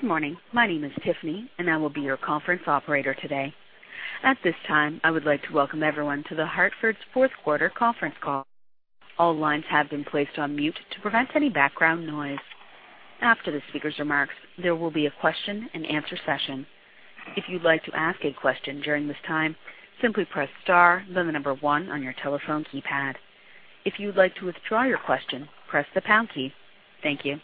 Good morning. My name is Tiffany, and I will be your conference operator today. At this time, I would like to welcome everyone to The Hartford's fourth quarter conference call. All lines have been placed on mute to prevent any background noise. After the speaker's remarks, there will be a question and answer session. If you'd like to ask a question during this time, simply press star then the number one on your telephone keypad. If you'd like to withdraw your question, press the pound key. Thank you.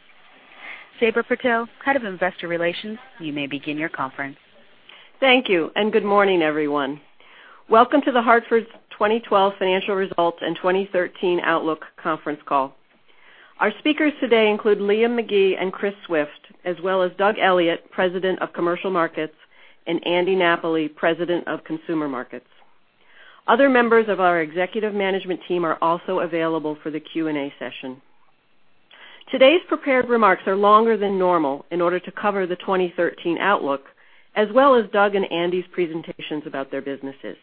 Sabra Purtill, head of investor relations, you may begin your conference. Thank you. Good morning, everyone. Welcome to The Hartford's 2012 financial results and 2013 outlook conference call. Our speakers today include Liam McGee and Chris Swift, as well as Doug Elliot, President of Commercial Markets, and Andy Napoli, President of Consumer Markets. Other members of our executive management team are also available for the Q&A session. Today's prepared remarks are longer than normal in order to cover the 2013 outlook, as well as Doug and Andy's presentations about their businesses.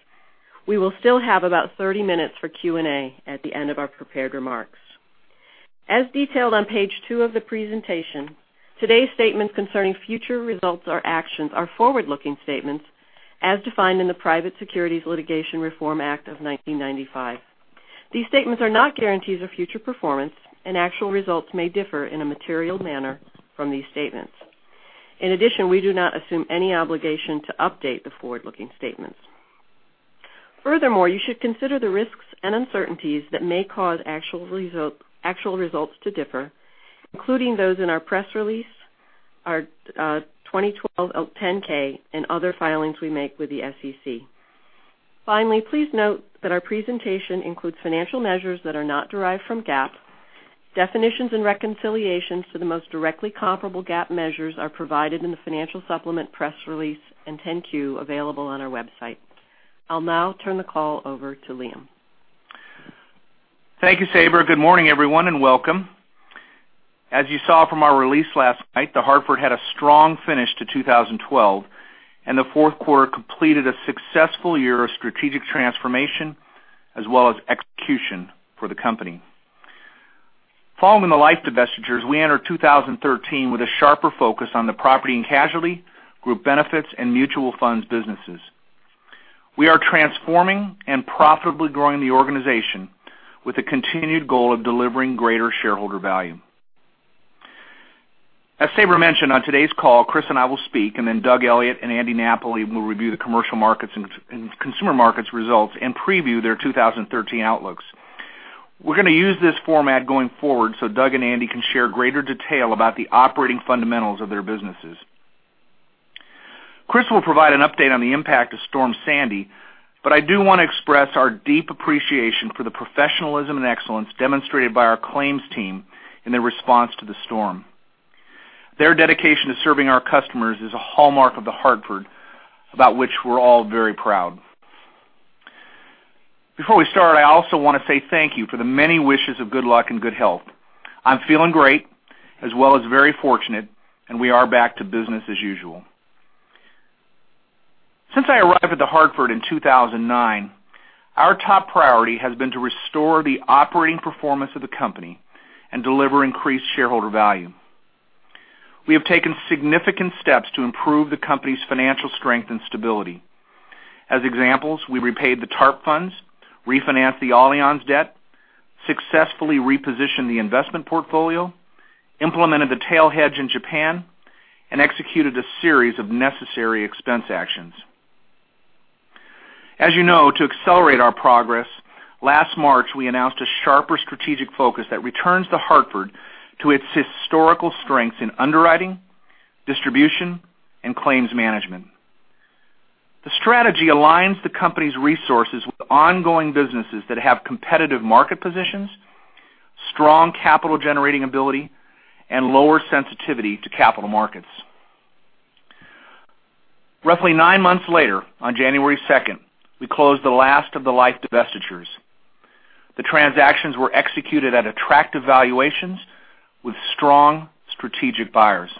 We will still have about 30 minutes for Q&A at the end of our prepared remarks. As detailed on page two of the presentation, today's statements concerning future results or actions are forward-looking statements as defined in the Private Securities Litigation Reform Act of 1995. These statements are not guarantees of future performance, and actual results may differ in a material manner from these statements. In addition, we do not assume any obligation to update the forward-looking statements. Furthermore, you should consider the risks and uncertainties that may cause actual results to differ, including those in our press release, our 2012 10-K, and other filings we make with the SEC. Finally, please note that our presentation includes financial measures that are not derived from GAAP. Definitions and reconciliations to the most directly comparable GAAP measures are provided in the financial supplement press release and 10-Q available on our website. I'll now turn the call over to Liam. Thank you, Sabra. Good morning, everyone. Welcome. As you saw from our release last night, The Hartford had a strong finish to 2012, and the fourth quarter completed a successful year of strategic transformation as well as execution for the company. Following the life divestitures, we enter 2013 with a sharper focus on the property and casualty, group benefits, and mutual funds businesses. We are transforming and profitably growing the organization with the continued goal of delivering greater shareholder value. As Sabra mentioned, on today's call, Chris and I will speak. Doug Elliot and Andy Napoli will review the commercial markets and consumer markets results and preview their 2013 outlooks. We're going to use this format going forward so Doug and Andy can share greater detail about the operating fundamentals of their businesses. Chris will provide an update on the impact of Storm Sandy. I do want to express our deep appreciation for the professionalism and excellence demonstrated by our claims team in their response to the storm. Their dedication to serving our customers is a hallmark of The Hartford, about which we're all very proud. Before we start, I also want to say thank you for the many wishes of good luck and good health. I'm feeling great, as well as very fortunate. We are back to business as usual. Since I arrived at The Hartford in 2009, our top priority has been to restore the operating performance of the company and deliver increased shareholder value. We have taken significant steps to improve the company's financial strength and stability. As examples, we repaid the TARP funds, refinanced the Allianz debt, successfully repositioned the investment portfolio, implemented the tail hedge in Japan, and executed a series of necessary expense actions. As you know, to accelerate our progress, last March, we announced a sharper strategic focus that returns The Hartford to its historical strengths in underwriting, distribution, and claims management. The strategy aligns the company's resources with ongoing businesses that have competitive market positions, strong capital generating ability, and lower sensitivity to capital markets. Roughly nine months later, on January 2nd, we closed the last of the life divestitures. The transactions were executed at attractive valuations with strong strategic buyers.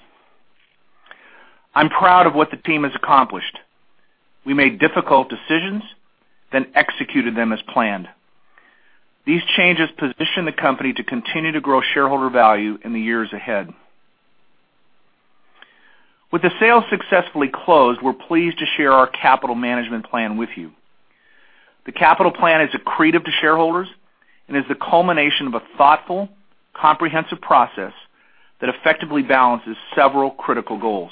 I'm proud of what the team has accomplished. We made difficult decisions. Executed them as planned. These changes position the company to continue to grow shareholder value in the years ahead. With the sale successfully closed, we're pleased to share our capital management plan with you. The capital plan is accretive to shareholders and is the culmination of a thoughtful, comprehensive process that effectively balances several critical goals.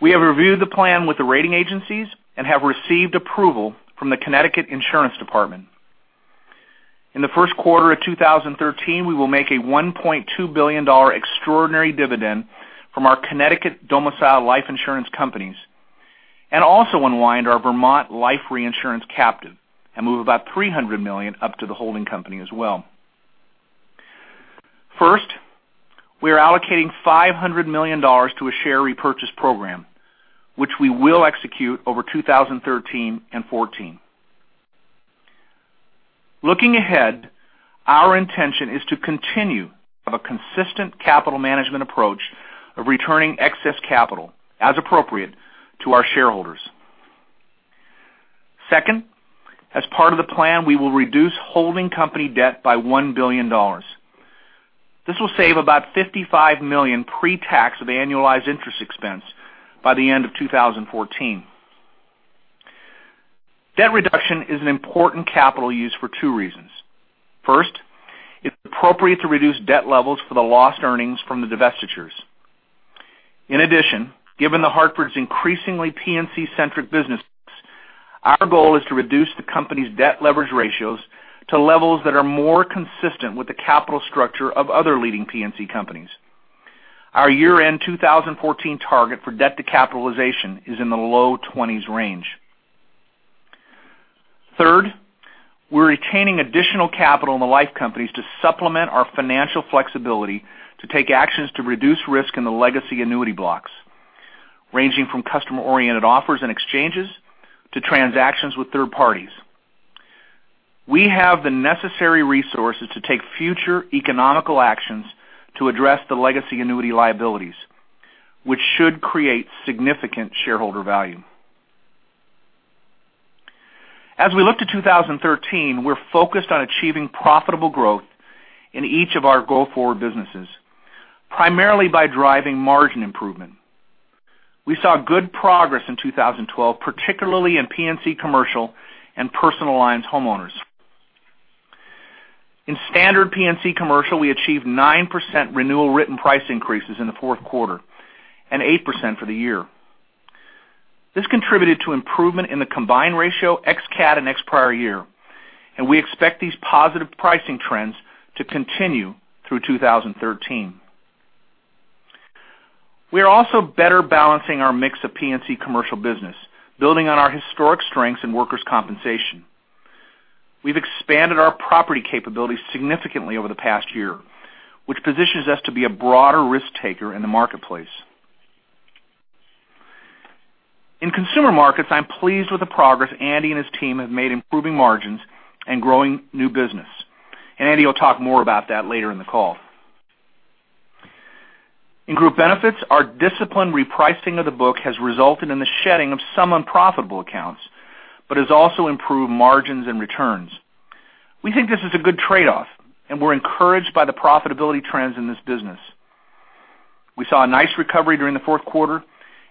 We have reviewed the plan with the rating agencies and have received approval from the Connecticut Insurance Department. In the first quarter of 2013, we will make a $1.2 billion extraordinary dividend from our Connecticut domicile life insurance companies, and also unwind our Vermont Life reinsurance captive and move about $300 million up to the holding company as well. First, we are allocating $500 million to a share repurchase program, which we will execute over 2013 and 2014. Looking ahead, our intention is to continue a consistent capital management approach of returning excess capital as appropriate to our shareholders. Second, as part of the plan, we will reduce holding company debt by $1 billion. This will save about $55 million pre-tax of annualized interest expense by the end of 2014. Debt reduction is an important capital use for two reasons. First, it's appropriate to reduce debt levels for the lost earnings from the divestitures. In addition, given The Hartford's increasingly P&C-centric business, our goal is to reduce the company's debt leverage ratios to levels that are more consistent with the capital structure of other leading P&C companies. Our year-end 2014 target for debt to capitalization is in the low twenties range. Third, we're retaining additional capital in the life companies to supplement our financial flexibility to take actions to reduce risk in the legacy annuity blocks, ranging from customer-oriented offers and exchanges to transactions with third parties. We have the necessary resources to take future economical actions to address the legacy annuity liabilities, which should create significant shareholder value. As we look to 2013, we're focused on achieving profitable growth in each of our go-forward businesses, primarily by driving margin improvement. We saw good progress in 2012, particularly in P&C Commercial and Personal Lines homeowners. In standard P&C Commercial, we achieved 9% renewal written price increases in the fourth quarter and 8% for the year. This contributed to improvement in the combined ratio ex-CAT and ex-prior year. We expect these positive pricing trends to continue through 2013. We are also better balancing our mix of P&C Commercial business, building on our historic strengths in workers' compensation. We've expanded our property capabilities significantly over the past year, which positions us to be a broader risk taker in the marketplace. In consumer markets, I'm pleased with the progress Andy and his team have made improving margins and growing new business. Andy will talk more about that later in the call. In group benefits, our disciplined repricing of the book has resulted in the shedding of some unprofitable accounts but has also improved margins and returns. We think this is a good trade-off. We're encouraged by the profitability trends in this business. We saw a nice recovery during the fourth quarter.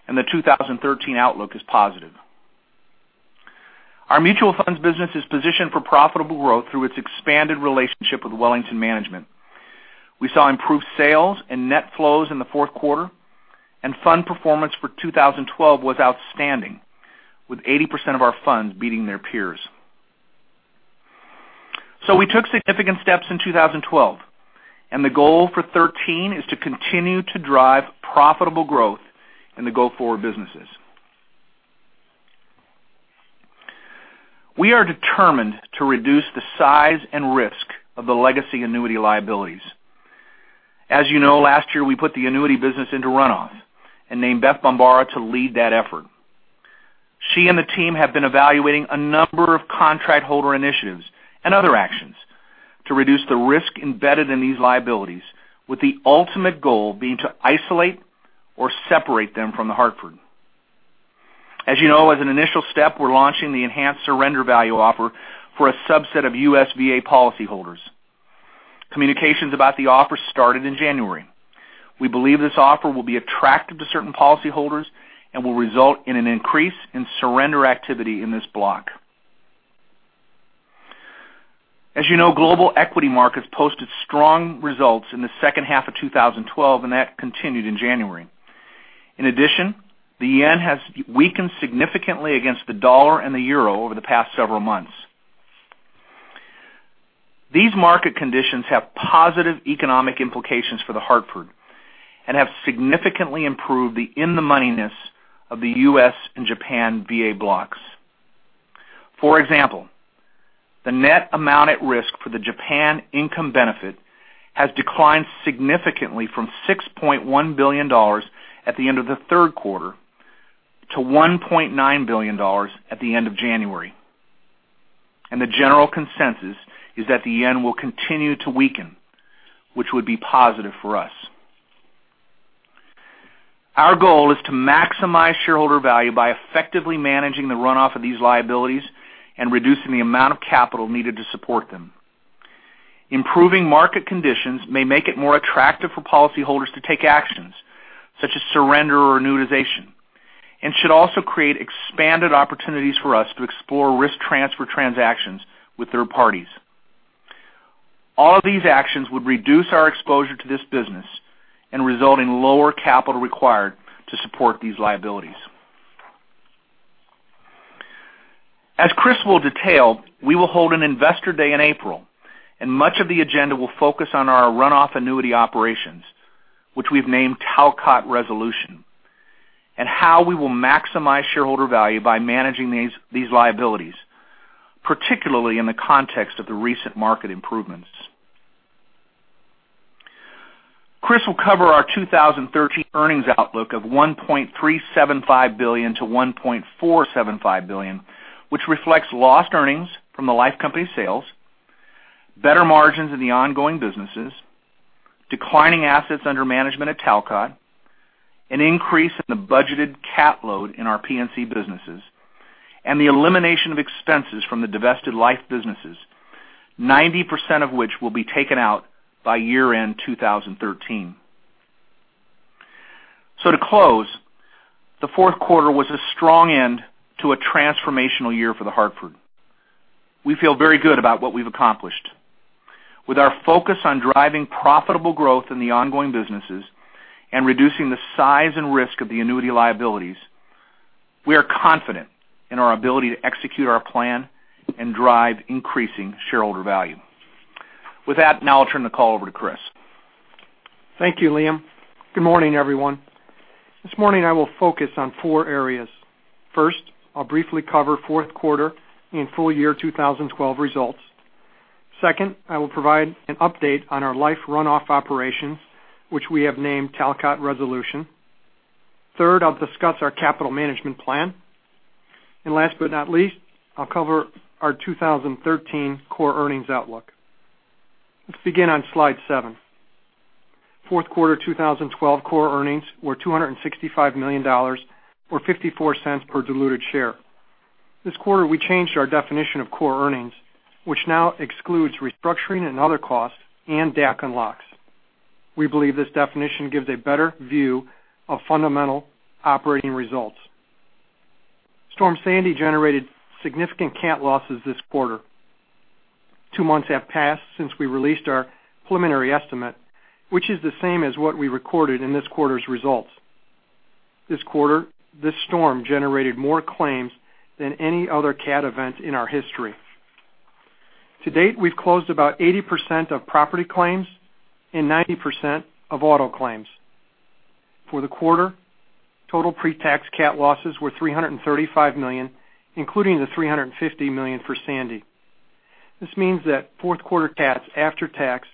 The 2013 outlook is positive. Our mutual funds business is positioned for profitable growth through its expanded relationship with Wellington Management. We saw improved sales and net flows in the fourth quarter. Fund performance for 2012 was outstanding, with 80% of our funds beating their peers. We took significant steps in 2012, and the goal for 2013 is to continue to drive profitable growth in the go-forward businesses. We are determined to reduce the size and risk of the legacy annuity liabilities. As you know, last year, we put the annuity business into runoff and named Beth Bombara to lead that effort. She and the team have been evaluating a number of contract holder initiatives and other actions to reduce the risk embedded in these liabilities, with the ultimate goal being to isolate or separate them from The Hartford. As you know, as an initial step, we're launching the enhanced surrender value offer for a subset of U.S. VA policyholders. Communications about the offer started in January. We believe this offer will be attractive to certain policyholders and will result in an increase in surrender activity in this block. As you know, global equity markets posted strong results in the second half of 2012. That continued in January. In addition, the yen has weakened significantly against the dollar and the euro over the past several months. These market conditions have positive economic implications for The Hartford and have significantly improved the in-the-moneyness of the U.S. and Japan VA blocks. For example, the net amount at risk for the Japan income benefit has declined significantly from $6.1 billion at the end of the third quarter to $1.9 billion at the end of January. The general consensus is that the yen will continue to weaken, which would be positive for us. Our goal is to maximize shareholder value by effectively managing the runoff of these liabilities and reducing the amount of capital needed to support them. Improving market conditions may make it more attractive for policyholders to take actions such as surrender or annuitization and should also create expanded opportunities for us to explore risk transfer transactions with third parties. All of these actions would reduce our exposure to this business and result in lower capital required to support these liabilities. As Chris will detail, we will hold an investor day in April, and much of the agenda will focus on our runoff annuity operations, which we've named Talcott Resolution, and how we will maximize shareholder value by managing these liabilities, particularly in the context of the recent market improvements. Chris will cover our 2013 earnings outlook of $1.375 billion-$1.475 billion, which reflects lost earnings from the life company sales, better margins in the ongoing businesses, declining assets under management at Talcott, an increase in the budgeted CAT load in our P&C businesses, and the elimination of expenses from the divested life businesses, 90% of which will be taken out by year-end 2013. To close, the fourth quarter was a strong end to a transformational year for The Hartford. We feel very good about what we've accomplished. With our focus on driving profitable growth in the ongoing businesses and reducing the size and risk of the annuity liabilities, we are confident in our ability to execute our plan and drive increasing shareholder value. With that, now I'll turn the call over to Chris. Thank you, Liam. Good morning, everyone. This morning, I will focus on four areas. First, I'll briefly cover fourth quarter and full year 2012 results. Second, I will provide an update on our life runoff operations, which we have named Talcott Resolution. Third, I'll discuss our capital management plan. Last but not least, I'll cover our 2013 core earnings outlook. Let's begin on slide seven. Fourth quarter 2012 core earnings were $265 million, or $0.54 per diluted share. This quarter, we changed our definition of core earnings, which now excludes restructuring and other costs and DAC unlocks. We believe this definition gives a better view of fundamental operating results. Storm Sandy generated significant CAT losses this quarter. Two months have passed since we released our preliminary estimate, which is the same as what we recorded in this quarter's results. This quarter, this storm generated more claims than any other CAT event in our history. To date, we've closed about 80% of property claims and 90% of auto claims. For the quarter, total pre-tax CAT losses were $335 million, including the $350 million for Sandy. This means that fourth quarter CATs after tax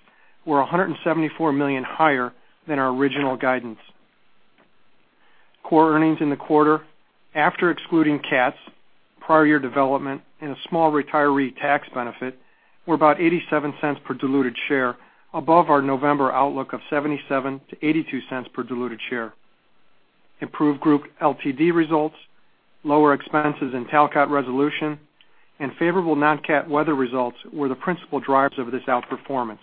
were $174 million higher than our original guidance. Core earnings in the quarter, after excluding CATs, prior year development, and a small retiree tax benefit, were about $0.87 per diluted share, above our November outlook of $0.77-$0.82 per diluted share. Improved group LTD results, lower expenses in Talcott Resolution, and favorable non-CAT weather results were the principal drivers of this outperformance.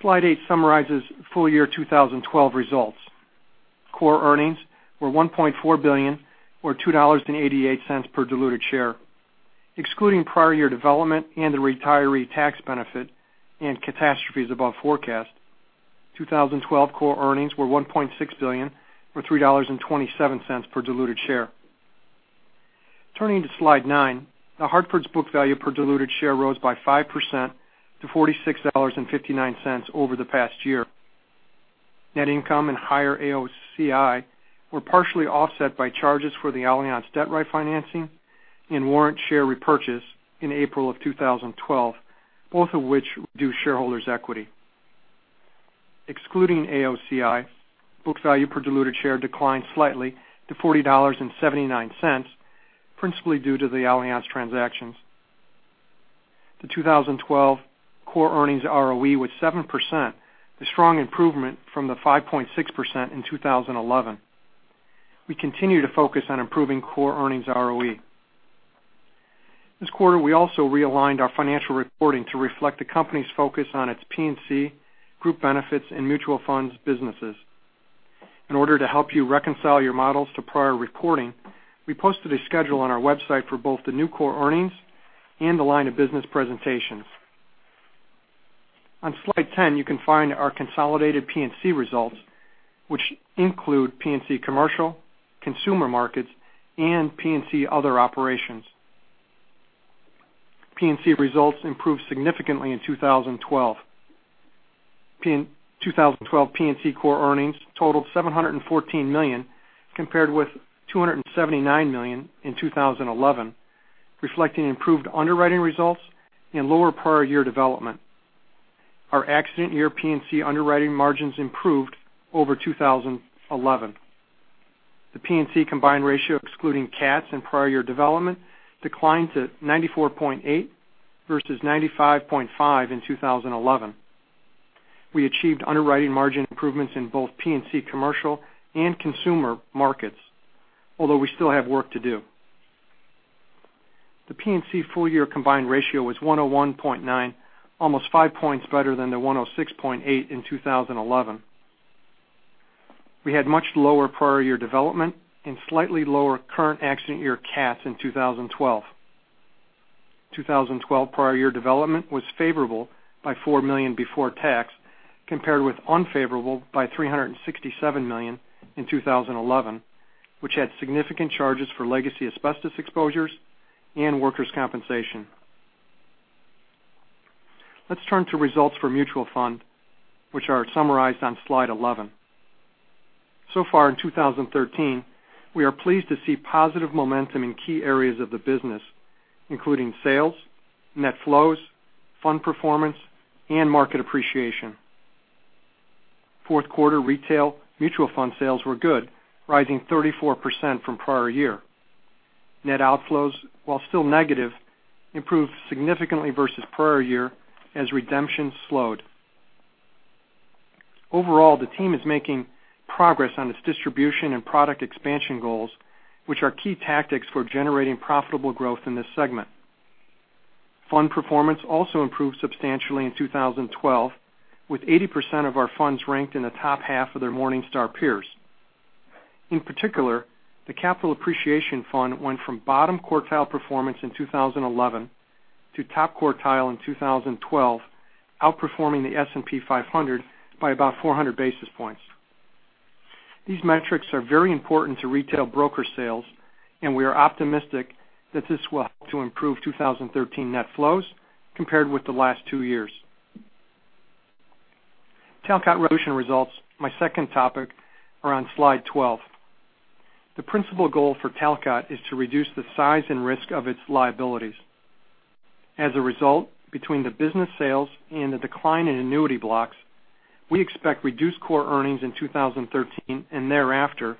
Slide eight summarizes full year 2012 results. Core earnings were $1.4 billion, or $2.88 per diluted share. Excluding prior year development and the retiree tax benefit and catastrophes above forecast, 2012 core earnings were $1.6 billion, or $3.27 per diluted share. Turning to slide nine, The Hartford's book value per diluted share rose by 5% to $46.59 over the past year. Net income and higher AOCI were partially offset by charges for the Allianz debt right financing and warrant share repurchase in April of 2012, both of which reduce shareholders' equity. Excluding AOCI, book value per diluted share declined slightly to $40.79, principally due to the Allianz transactions. The 2012 core earnings ROE was 7%, a strong improvement from the 5.6% in 2011. We continue to focus on improving core earnings ROE. This quarter, we also realigned our financial reporting to reflect the company's focus on its P&C, Group Benefits, and mutual funds businesses. In order to help you reconcile your models to prior reporting, we posted a schedule on our website for both the new core earnings and the line of business presentations. On slide 10, you can find our consolidated P&C results, which include P&C Commercial, Consumer Markets, and P&C other operations. P&C results improved significantly in 2012. 2012 P&C core earnings totaled $714 million, compared with $279 million in 2011, reflecting improved underwriting results and lower prior year development. Our accident year P&C underwriting margins improved over 2011. The P&C combined ratio, excluding CATs and prior year development, declined to 94.8 versus 95.5 in 2011. We achieved underwriting margin improvements in both P&C Commercial and Consumer Markets, although we still have work to do. The P&C full year combined ratio was 101.9, almost five points better than the 106.8 in 2011. We had much lower prior year development and slightly lower current accident year CATs in 2012. 2012 prior year development was favorable by $4 million before tax, compared with unfavorable by $367 million in 2011, which had significant charges for legacy asbestos exposures and workers' compensation. Let's turn to results for mutual fund, which are summarized on slide 11. Far in 2013, we are pleased to see positive momentum in key areas of the business, including sales, net flows, fund performance, and market appreciation. Fourth quarter retail mutual fund sales were good, rising 34% from prior year. Net outflows, while still negative, improved significantly versus prior year as redemptions slowed. Overall, the team is making progress on its distribution and product expansion goals, which are key tactics for generating profitable growth in this segment. Fund performance also improved substantially in 2012, with 80% of our funds ranked in the top half of their Morningstar peers. In particular, the capital appreciation fund went from bottom quartile performance in 2011 to top quartile in 2012, outperforming the S&P 500 by about 400 basis points. These metrics are very important to retail broker sales, and we are optimistic that this will help to improve 2013 net flows compared with the last two years. Talcott Resolution results, my second topic, are on slide 12. The principal goal for Talcott is to reduce the size and risk of its liabilities. As a result, between the business sales and the decline in annuity blocks, we expect reduced core earnings in 2013 and thereafter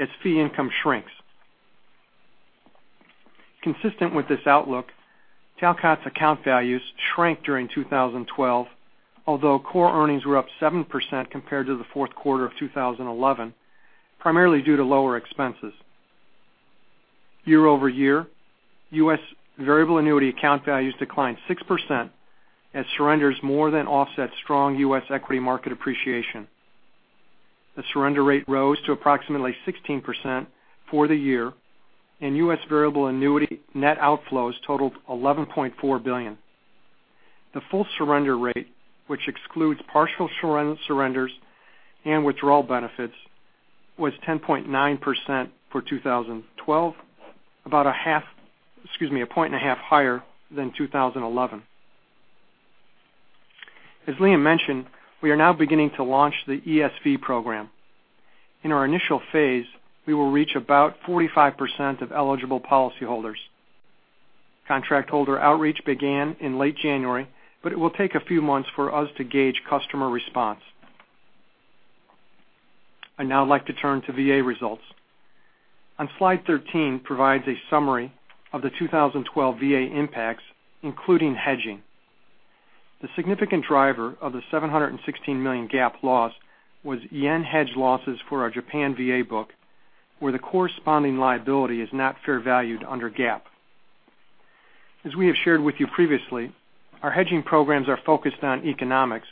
as fee income shrinks. Consistent with this outlook, Talcott's account values shrank during 2012, although core earnings were up 7% compared to the fourth quarter of 2011, primarily due to lower expenses. Year-over-year, U.S. variable annuity account values declined 6% as surrenders more than offset strong U.S. equity market appreciation. The surrender rate rose to approximately 16% for the year, and U.S. variable annuity net outflows totaled $11.4 billion. The full surrender rate, which excludes partial surrenders and withdrawal benefits, was 10.9% for 2012, about a point and a half higher than 2011. As Liam mentioned, we are now beginning to launch the ESV program. In our initial phase, we will reach about 45% of eligible policyholders. Contract holder outreach began in late January, but it will take a few months for us to gauge customer response. I'd now like to turn to VA results. On slide 13 provides a summary of the 2012 VA impacts, including hedging. The significant driver of the $716 million GAAP loss was yen hedge losses for our Japan VA book, where the corresponding liability is not fair valued under GAAP. As we have shared with you previously, our hedging programs are focused on economics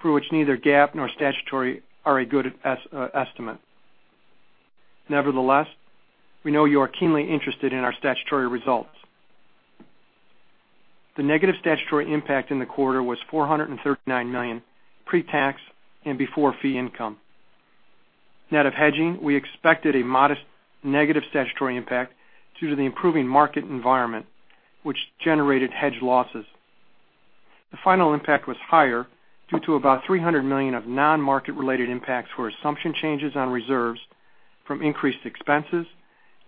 for which neither GAAP nor statutory are a good estimate. Nevertheless, we know you are keenly interested in our statutory results. The negative statutory impact in the quarter was $439 million pre-tax and before fee income. Net of hedging, we expected a modest negative statutory impact due to the improving market environment, which generated hedge losses. The final impact was higher due to about $300 million of non-market related impacts for assumption changes on reserves from increased expenses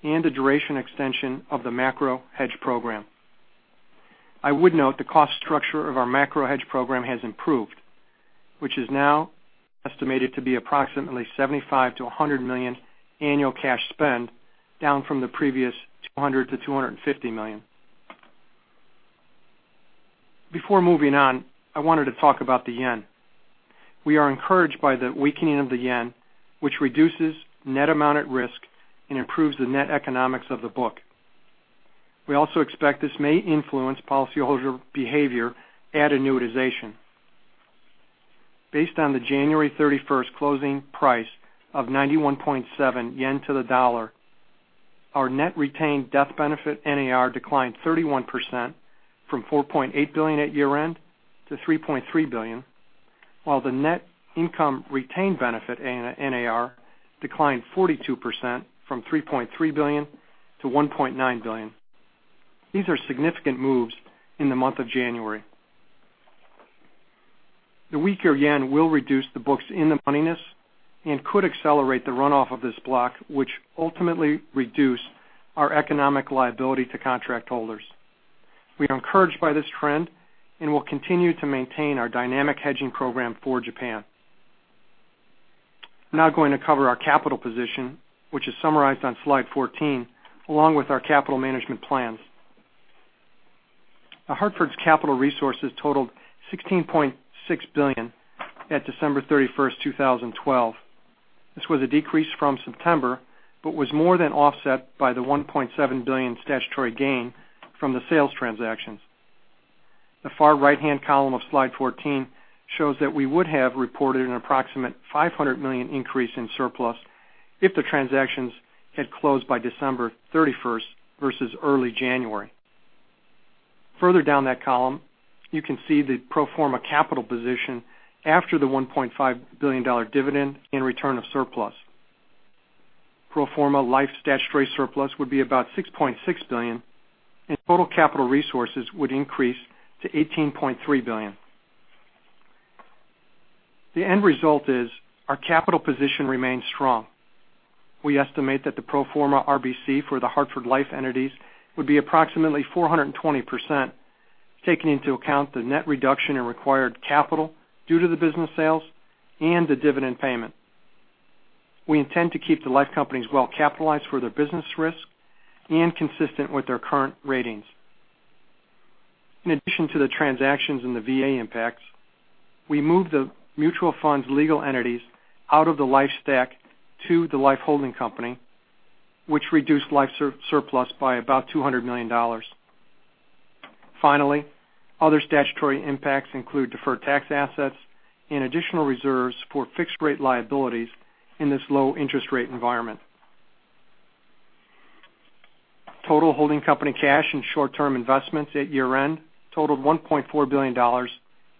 and the duration extension of the macro-hedge program. I would note the cost structure of our macro-hedge program has improved, which is now estimated to be approximately $75 million to $100 million annual cash spend, down from the previous $200 million to $250 million. Before moving on, I wanted to talk about the yen. We are encouraged by the weakening of the yen, which reduces net amount at risk and improves the net economics of the book. We also expect this may influence policyholder behavior at annuitization. Based on the January 31st closing price of 91.7 yen to the dollar, our net retained death benefit NAR declined 31%, from $4.8 billion at year-end to $3.3 billion, while the net income retained benefit NAR declined 42%, from $3.3 billion to $1.9 billion. These are significant moves in the month of January. The weaker yen will reduce the books in the moneyness and could accelerate the runoff of this block, which ultimately reduce our economic liability to contract holders. We are encouraged by this trend and will continue to maintain our dynamic hedging program for Japan. I'm now going to cover our capital position, which is summarized on slide 14, along with our capital management plans. The Hartford's capital resources totaled $16.6 billion at December 31st, 2012. This was a decrease from September, but was more than offset by the $1.7 billion statutory gain from the sales transactions. The far right-hand column of slide 14 shows that we would have reported an approximate $500 million increase in surplus if the transactions had closed by December 31st versus early January. Further down that column, you can see the pro forma capital position after the $1.5 billion dividend in return of surplus. Pro forma life statutory surplus would be about $6.6 billion. Total capital resources would increase to $18.3 billion. The end result is our capital position remains strong. We estimate that the pro forma RBC for The Hartford Life entities would be approximately 420%, taking into account the net reduction in required capital due to the business sales and the dividend payment. We intend to keep the life companies well-capitalized for their business risk and consistent with their current ratings. In addition to the transactions and the VA impacts, we moved the mutual funds legal entities out of the life stack to the life holding company, which reduced life surplus by about $200 million. Finally, other statutory impacts include deferred tax assets and additional reserves for fixed rate liabilities in this low interest rate environment. Total holding company cash and short-term investments at year-end totaled $1.4 billion,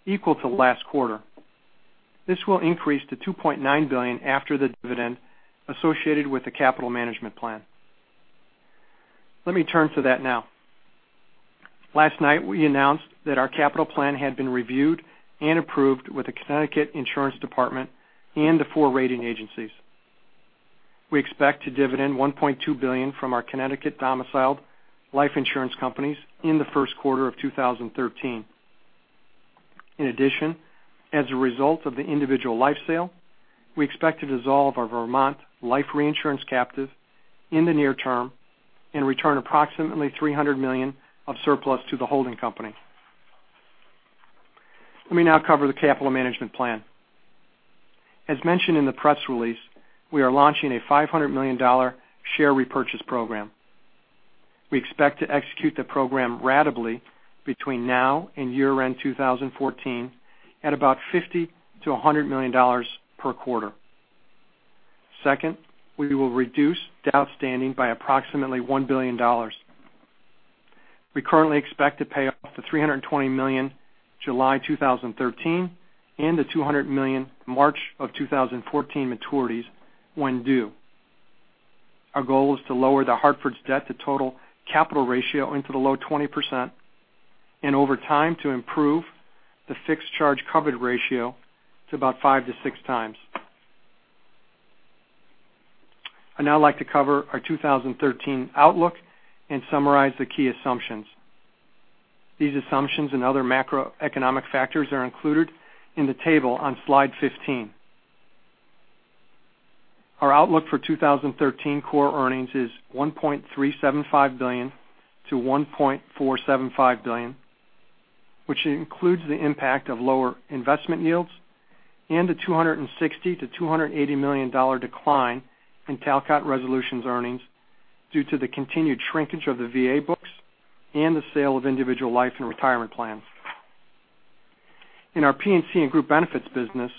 equal to last quarter. This will increase to $2.9 billion after the dividend associated with the capital management plan. Let me turn to that now. Last night, we announced that our capital plan had been reviewed and approved with the Connecticut Insurance Department and the four rating agencies. We expect to dividend $1.2 billion from our Connecticut-domiciled life insurance companies in the first quarter of 2013. As a result of the individual life sale, we expect to dissolve our Vermont life reinsurance captive in the near term and return approximately $300 million of surplus to the holding company. Let me now cover the capital management plan. As mentioned in the press release, we are launching a $500 million share repurchase program. We expect to execute the program ratably between now and year-end 2014 at about $50 million-$100 million per quarter. Second, we will reduce debt outstanding by approximately $1 billion. We currently expect to pay off the $320 million July 2013 and the $200 million March of 2014 maturities when due. Our goal is to lower The Hartford's debt-to-total capital ratio into the low 20% and over time, to improve the fixed charge covered ratio to about five to six times. I'd now like to cover our 2013 outlook and summarize the key assumptions. These assumptions and other macroeconomic factors are included in the table on slide 15. Our outlook for 2013 core earnings is $1.375 billion-$1.475 billion, which includes the impact of lower investment yields and the $260 million-$280 million decline in Talcott Resolution earnings due to the continued shrinkage of the VA books and the sale of individual life and retirement plans. In our P&C and group benefits business,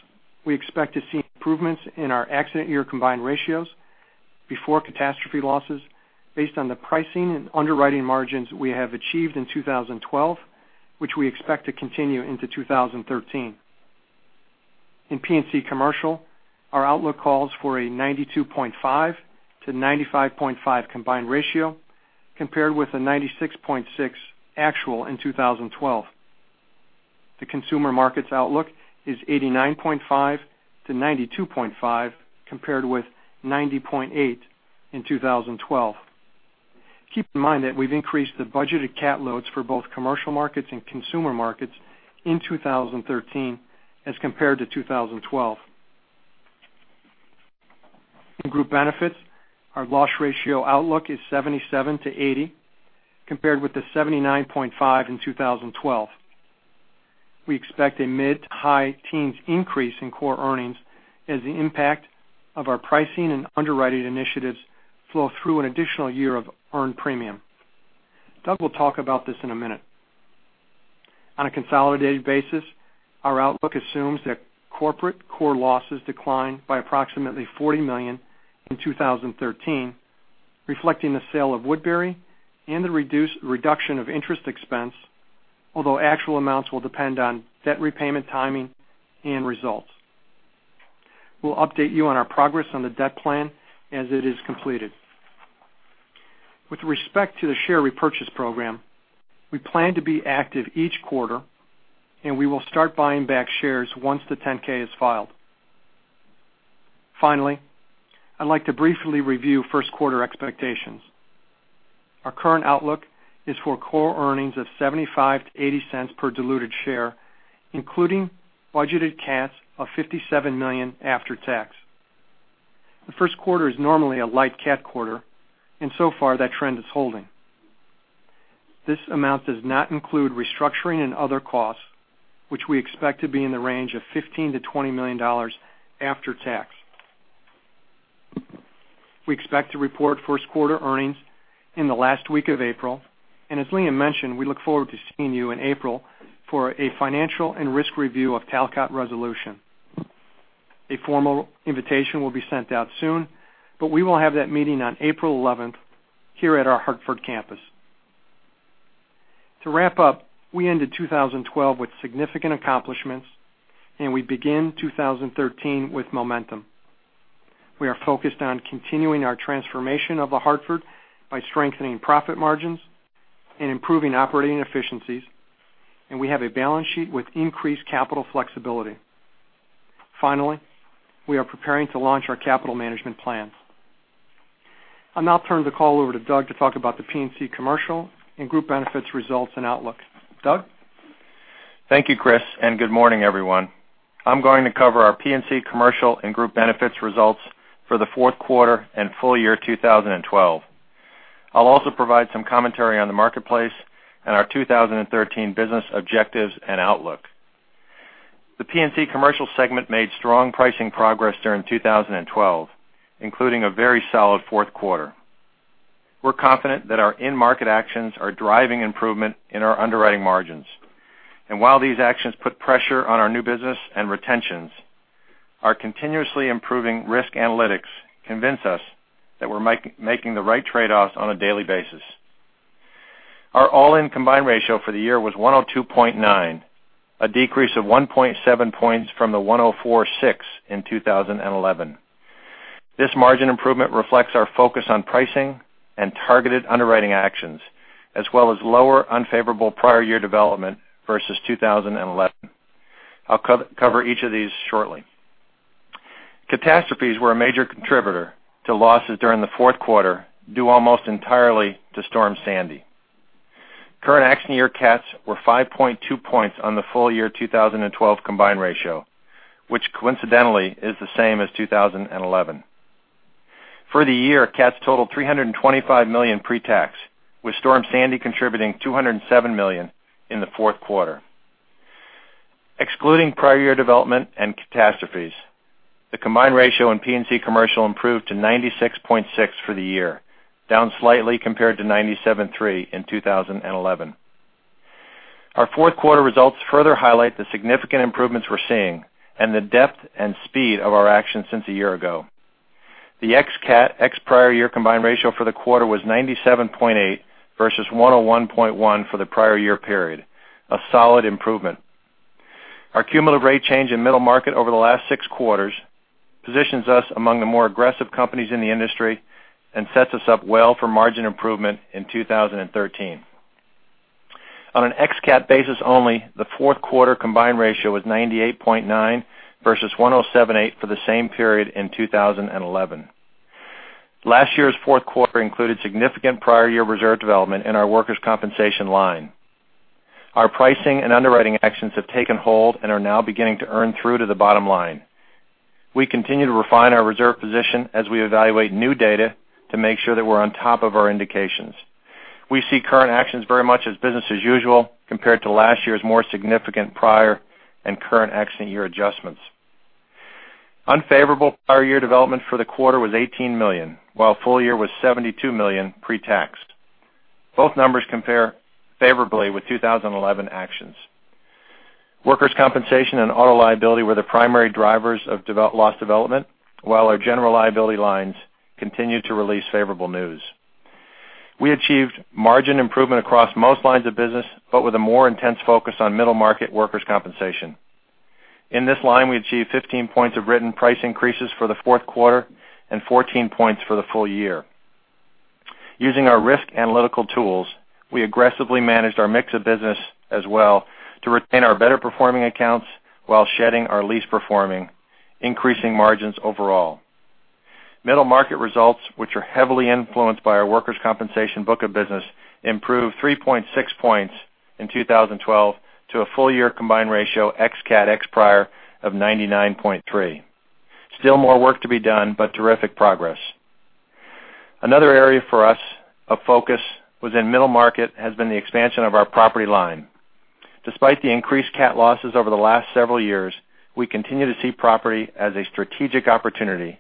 we expect to see improvements in our accident year combined ratios before catastrophe losses based on the pricing and underwriting margins we have achieved in 2012, which we expect to continue into 2013. In P&C commercial, our outlook calls for a 92.5%-95.5% combined ratio compared with a 96.6% actual in 2012. The consumer markets outlook is 89.5%-92.5% compared with 90.8% in 2012. Keep in mind that we've increased the budgeted cat loads for both commercial markets and consumer markets in 2013 as compared to 2012. In group benefits, our loss ratio outlook is 77%-80% compared with the 79.5% in 2012. We expect a mid to high teens increase in core earnings as the impact of our pricing and underwriting initiatives flow through an additional year of earned premium. Doug will talk about this in a minute. On a consolidated basis, our outlook assumes that corporate core losses decline by approximately $40 million in 2013, reflecting the sale of Woodbury and the reduction of interest expense, although actual amounts will depend on debt repayment timing and results. We'll update you on our progress on the debt plan as it is completed. With respect to the share repurchase program, we plan to be active each quarter, and we will start buying back shares once the 10-K is filed. Finally, I'd like to briefly review first quarter expectations. Our current outlook is for core earnings of $0.75-$0.80 per diluted share, including budgeted CATs of $57 million after tax. The first quarter is normally a light CAT quarter, and so far, that trend is holding. This amount does not include restructuring and other costs, which we expect to be in the range of $15 million-$20 million after tax. We expect to report first quarter earnings in the last week of April, and as Liam mentioned, we look forward to seeing you in April for a financial and risk review of Talcott Resolution. A formal invitation will be sent out soon, but we will have that meeting on April 11th here at our Hartford campus. To wrap up, we ended 2012 with significant accomplishments, and we begin 2013 with momentum. We are focused on continuing our transformation of The Hartford by strengthening profit margins and improving operating efficiencies. We have a balance sheet with increased capital flexibility. Finally, we are preparing to launch our capital management plan. I'll now turn the call over to Doug to talk about the P&C Commercial and Group Benefits results and outlook. Doug? Thank you, Chris, and good morning, everyone. I'm going to cover our P&C Commercial and Group Benefits results for the fourth quarter and full year 2012. I'll also provide some commentary on the marketplace and our 2013 business objectives and outlook. The P&C Commercial segment made strong pricing progress during 2012, including a very solid fourth quarter. We're confident that our in-market actions are driving improvement in our underwriting margins. While these actions put pressure on our new business and retentions, our continuously improving risk analytics convince us that we're making the right trade-offs on a daily basis. Our all-in combined ratio for the year was 102.9, a decrease of 1.7 points from the 104.6 in 2011. This margin improvement reflects our focus on pricing and targeted underwriting actions, as well as lower unfavorable prior year development versus 2011. I'll cover each of these shortly. Catastrophes were a major contributor to losses during the fourth quarter, due almost entirely to Storm Sandy. Current accident year CATs were 5.2 points on the full year 2012 combined ratio, which coincidentally is the same as 2011. For the year, CATs totaled $325 million pre-tax, with Storm Sandy contributing $207 million in the fourth quarter. Excluding prior year development and catastrophes, the combined ratio in P&C Commercial improved to 96.6 for the year, down slightly compared to 97.3 in 2011. Our fourth quarter results further highlight the significant improvements we're seeing and the depth and speed of our actions since a year ago. The ex-CAT, ex-prior year combined ratio for the quarter was 97.8 versus 101.1 for the prior year period, a solid improvement. Our cumulative rate change in middle market over the last six quarters positions us among the more aggressive companies in the industry and sets us up well for margin improvement in 2013. On an ex-CAT basis only, the fourth quarter combined ratio was 98.9 versus 107.8 for the same period in 2011. Last year's fourth quarter included significant prior year reserve development in our workers' compensation line. Our pricing and underwriting actions have taken hold and are now beginning to earn through to the bottom line. We continue to refine our reserve position as we evaluate new data to make sure that we're on top of our indications. We see current actions very much as business as usual, compared to last year's more significant prior and current accident year adjustments. Unfavorable prior year development for the quarter was $18 million, while full year was $72 million pre-tax. Both numbers compare favorably with 2011 actions. Workers' compensation and auto liability were the primary drivers of loss development, while our general liability lines continued to release favorable news. We achieved margin improvement across most lines of business, but with a more intense focus on middle market workers' compensation. In this line, we achieved 15 points of written price increases for the fourth quarter and 14 points for the full year. Using our risk analytical tools, we aggressively managed our mix of business as well to retain our better performing accounts while shedding our least performing, increasing margins overall. Middle market results, which are heavily influenced by our workers' compensation book of business, improved 3.6 points in 2012 to a full year combined ratio ex-CAT, ex-prior of 99.3. Still more work to be done, but terrific progress. Another area for us of focus within middle market has been the expansion of our property line. Despite the increased CAT losses over the last several years, we continue to see property as a strategic opportunity,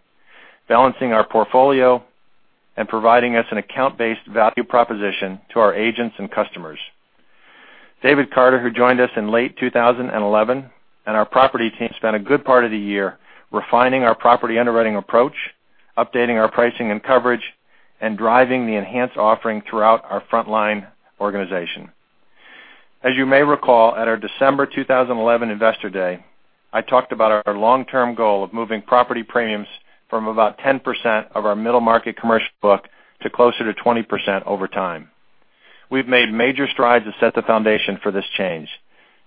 balancing our portfolio and providing us an account-based value proposition to our agents and customers. David Carter, who joined us in late 2011, and our property team spent a good part of the year refining our property underwriting approach, updating our pricing and coverage, and driving the enhanced offering throughout our frontline organization. As you may recall, at our December 2011 Investor Day, I talked about our long-term goal of moving property premiums from about 10% of our middle market commercial book to closer to 20% over time. We've made major strides to set the foundation for this change.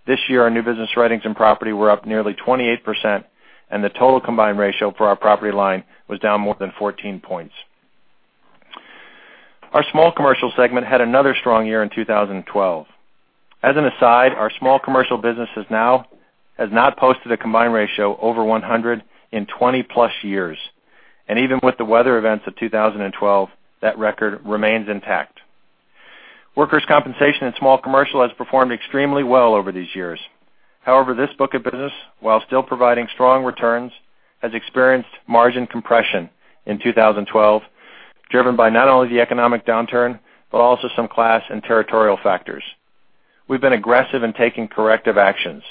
This year, our new business writings and property were up nearly 28%, and the total combined ratio for our property line was down more than 14 points. Our Small Commercial segment had another strong year in 2012. As an aside, our Small Commercial business has not posted a combined ratio over 100 in 20-plus years. Even with the weather events of 2012, that record remains intact. Workers' compensation and Small Commercial has performed extremely well over these years. However, this book of business, while still providing strong returns, has experienced margin compression in 2012, driven by not only the economic downturn, but also some class and territorial factors. We've been aggressive in taking corrective actions.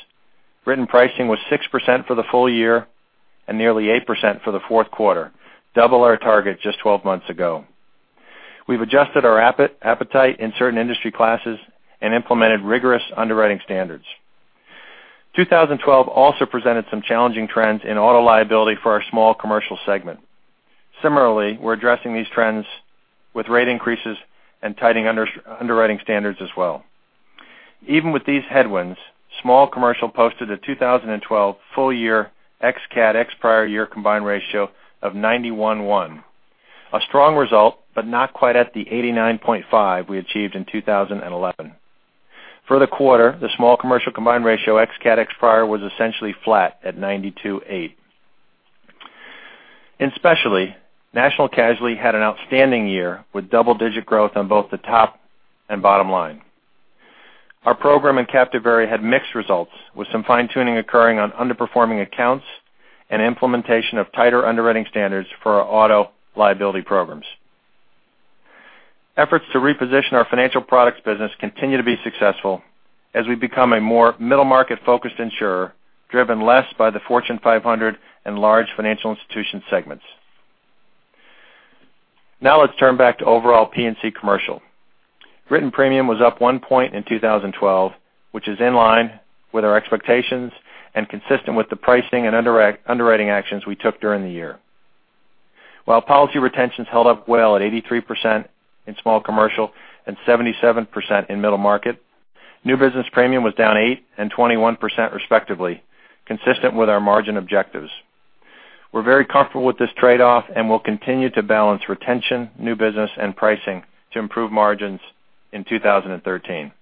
Written pricing was 6% for the full year and nearly 8% for the fourth quarter, double our target just 12 months ago. We've adjusted our appetite in certain industry classes and implemented rigorous underwriting standards. 2012 also presented some challenging trends in auto liability for our Small Commercial segment. Similarly, we're addressing these trends with rate increases and tightening underwriting standards as well. Even with these headwinds, Small Commercial posted a 2012 full year ex-CAT, ex-prior year combined ratio of 91.1. A strong result, but not quite at the 89.5 we achieved in 2011. For the quarter, the Small Commercial combined ratio, ex-CAT, ex-prior, was essentially flat at 92.8. In Specialty, National Casualty had an outstanding year with double digit growth on both the top and bottom line. Our program and captive area had mixed results, with some fine tuning occurring on underperforming accounts and implementation of tighter underwriting standards for our auto liability programs. Efforts to reposition our financial products business continue to be successful as we become a more middle market focused insurer, driven less by the Fortune 500 and large financial institution segments. Let's turn back to overall P&C commercial. Written premium was up one point in 2012, which is in line with our expectations and consistent with the pricing and underwriting actions we took during the year. While policy retentions held up well at 83% in Small Commercial and 77% in middle market, new business premium was down eight and 21% respectively, consistent with our margin objectives. We're very comfortable with this trade-off, and we'll continue to balance retention, new business, and pricing to improve margins in 2013.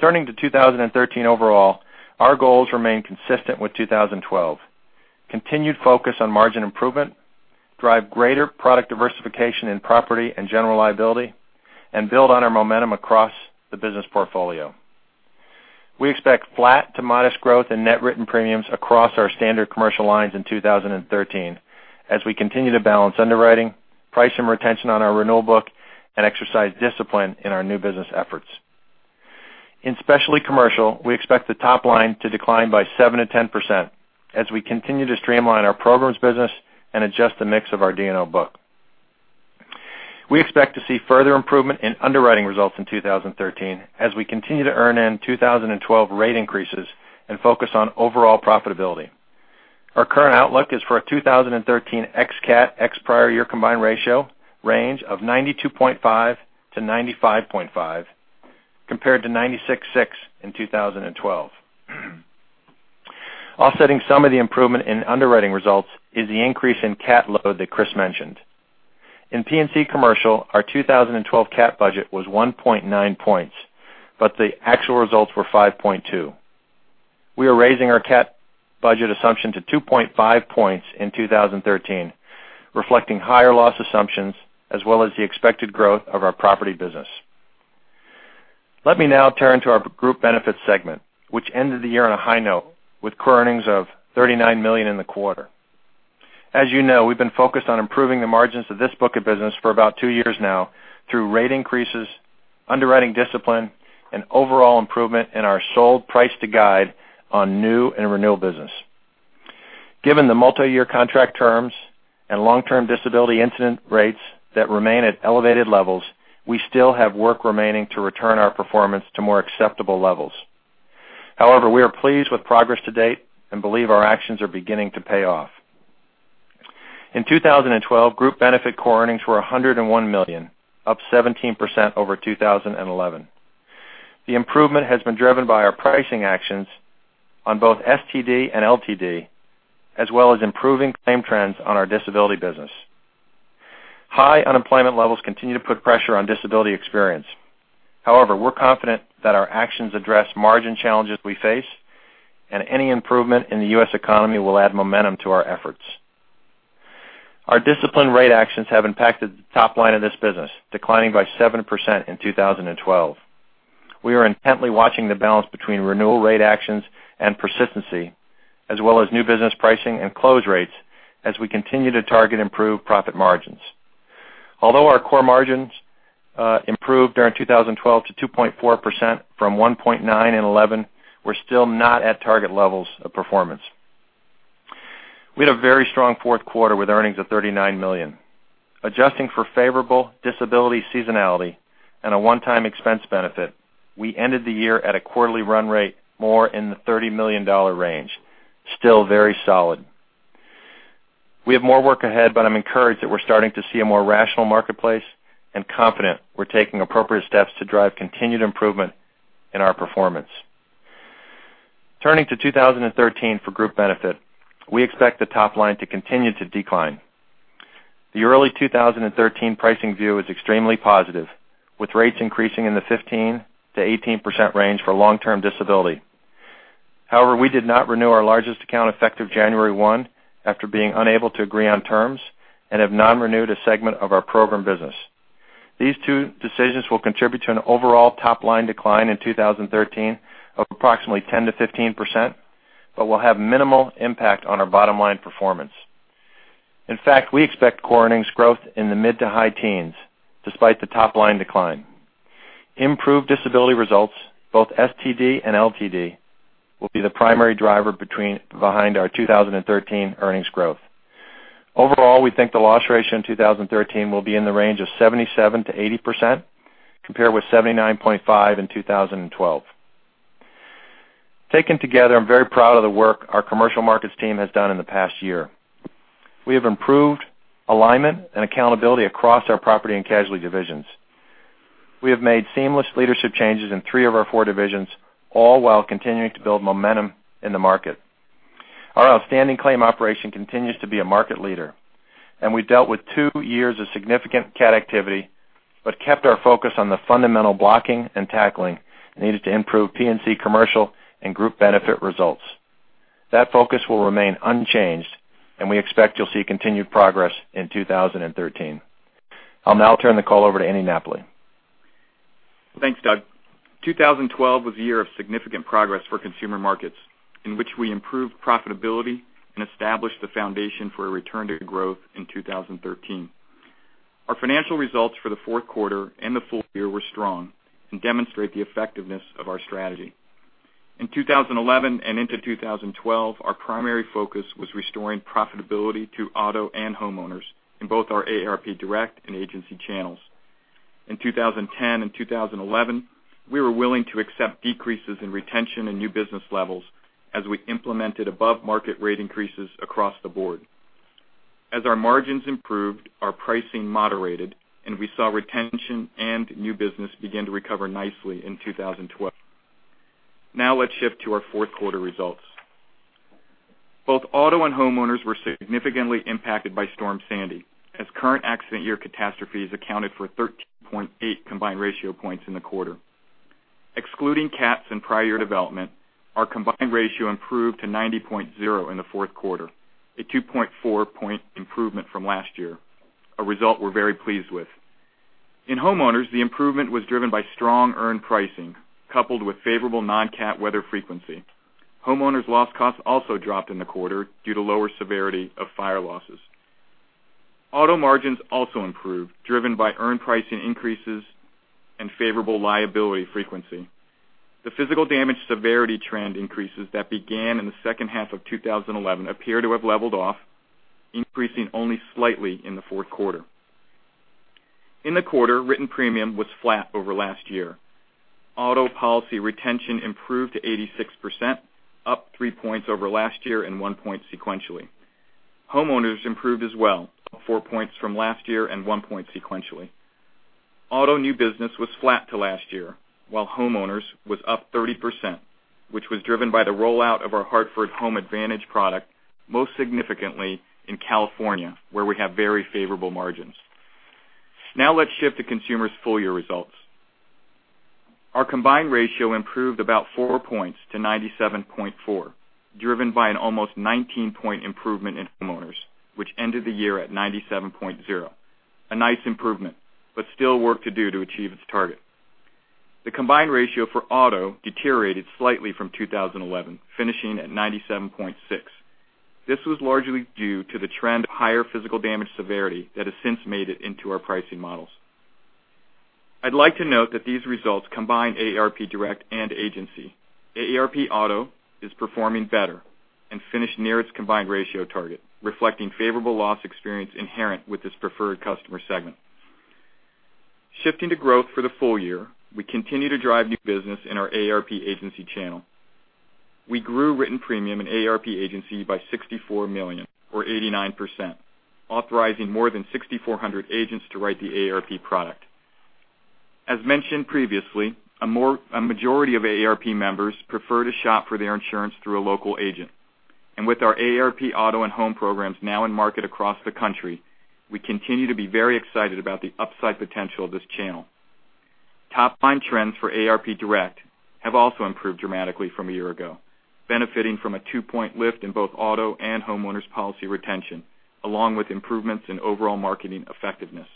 Turning to 2013 overall, our goals remain consistent with 2012. Continued focus on margin improvement, drive greater product diversification in property and general liability, and build on our momentum across the business portfolio. We expect flat to modest growth in net written premiums across our standard commercial lines in 2013 as we continue to balance underwriting, price, and retention on our renewal book and exercise discipline in our new business efforts. In Specialty Commercial, we expect the top line to decline by seven to 10% as we continue to streamline our programs business and adjust the mix of our D&O book. We expect to see further improvement in underwriting results in 2013 as we continue to earn in 2012 rate increases and focus on overall profitability. Our current outlook is for a 2013 ex-CAT, ex-prior year combined ratio range of 92.5-95.5, compared to 96.6 in 2012. Offsetting some of the improvement in underwriting results is the increase in CAT load that Chris mentioned. In P&C Commercial, our 2012 CAT budget was 1.9 points, but the actual results were 5.2. We are raising our CAT budget assumption to 2.5 points in 2013, reflecting higher loss assumptions, as well as the expected growth of our property business. Let me now turn to our Group Benefits segment, which ended the year on a high note with core earnings of $39 million in the quarter. As you know, we've been focused on improving the margins of this book of business for about two years now through rate increases, underwriting discipline, and overall improvement in our sold price to guide on new and renewal business. Given the multi-year contract terms and long-term disability incident rates that remain at elevated levels, we still have work remaining to return our performance to more acceptable levels. We are pleased with progress to date and believe our actions are beginning to pay off. In 2012, Group Benefits core earnings were $101 million, up 17% over 2011. The improvement has been driven by our pricing actions on both STD and LTD, as well as improving claim trends on our disability business. High unemployment levels continue to put pressure on disability experience. We're confident that our actions address margin challenges we face, and any improvement in the U.S. economy will add momentum to our efforts. Our disciplined rate actions have impacted the top line of this business, declining by 7% in 2012. We are intently watching the balance between renewal rate actions and persistency, as well as new business pricing and close rates as we continue to target improved profit margins. Although our core margins improved during 2012 to 2.4% from 1.9 in 2011, we're still not at target levels of performance. We had a very strong fourth quarter with earnings of $39 million. Adjusting for favorable disability seasonality and a one-time expense benefit, we ended the year at a quarterly run rate more in the $30 million range. Still very solid. We have more work ahead, but I'm encouraged that we're starting to see a more rational marketplace and confident we're taking appropriate steps to drive continued improvement in our performance. Turning to 2013 for Group Benefits, we expect the top line to continue to decline. The early 2013 pricing view is extremely positive, with rates increasing in the 15%-18% range for long-term disability. We did not renew our largest account effective January 1, after being unable to agree on terms, and have not renewed a segment of our program business. These two decisions will contribute to an overall top line decline in 2013 of approximately 10%-15% but will have minimal impact on our bottom line performance. In fact, we expect core earnings growth in the mid to high teens despite the top line decline. Improved disability results, both STD and LTD, will be the primary driver behind our 2013 earnings growth. Overall, we think the loss ratio in 2013 will be in the range of 77%-80%, compared with 79.5% in 2012. Taken together, I'm very proud of the work our Commercial Markets team has done in the past year. We have improved alignment and accountability across our Property and Casualty divisions. We have made seamless leadership changes in three of our four divisions, all while continuing to build momentum in the market. Our outstanding claim operation continues to be a market leader, and we've dealt with two years of significant CAT activity, but kept our focus on the fundamental blocking and tackling needed to improve P&C Commercial and group benefit results. That focus will remain unchanged, and we expect you'll see continued progress in 2013. I'll now turn the call over to Andy Napoli. Thanks, Doug. 2012 was a year of significant progress for Consumer Markets, in which we improved profitability and established the foundation for a return to growth in 2013. Our financial results for the fourth quarter and the full year were strong and demonstrate the effectiveness of our strategy. In 2011 and into 2012, our primary focus was restoring profitability to Auto and Homeowners in both our AARP Direct and agency channels. In 2010 and 2011, we were willing to accept decreases in retention and new business levels as we implemented above-market rate increases across the board. As our margins improved, our pricing moderated, and we saw retention and new business begin to recover nicely in 2012. Now let's shift to our fourth quarter results. Both Auto and Homeowners were significantly impacted by Storm Sandy, as current accident year catastrophes accounted for 13.8 combined ratio points in the quarter. Excluding CATs and prior year development, our combined ratio improved to 90.0 in the fourth quarter, a 2.4 point improvement from last year, a result we're very pleased with. In Homeowners, the improvement was driven by strong earned pricing, coupled with favorable non-CAT weather frequency. Homeowners' loss costs also dropped in the quarter due to lower severity of fire losses. Auto margins also improved, driven by earned pricing increases and favorable liability frequency. The physical damage severity trend increases that began in the second half of 2011 appear to have leveled off, increasing only slightly in the fourth quarter. In the quarter, written premium was flat over last year. Auto policy retention improved to 86%, up three points over last year and one point sequentially. Homeowners improved as well, up four points from last year and one point sequentially. Auto new business was flat to last year, while Homeowners was up 30%, which was driven by the rollout of our Hartford Home Advantage product, most significantly in California, where we have very favorable margins. Now let's shift to Consumer Markets' full year results. Our combined ratio improved about four points to 97.4, driven by an almost 19 point improvement in Homeowners, which ended the year at 97.0. A nice improvement, but still work to do to achieve its target. The combined ratio for Auto deteriorated slightly from 2011, finishing at 97.6. This was largely due to the trend of higher physical damage severity that has since made it into our pricing models. I'd like to note that these results combine AARP Direct and Agency. AARP Auto is performing better and finished near its combined ratio target, reflecting favorable loss experience inherent with this preferred customer segment. Shifting to growth for the full year, we continue to drive new business in our AARP agency channel. We grew written premium in AARP agency by $64 million, or 89%, authorizing more than 6,400 agents to write the AARP product. As mentioned previously, a majority of AARP members prefer to shop for their insurance through a local agent. With our AARP auto and home programs now in market across the country, we continue to be very excited about the upside potential of this channel. Topline trends for AARP Direct have also improved dramatically from a year ago, benefiting from a two-point lift in both auto and homeowners policy retention, along with improvements in overall marketing effectiveness.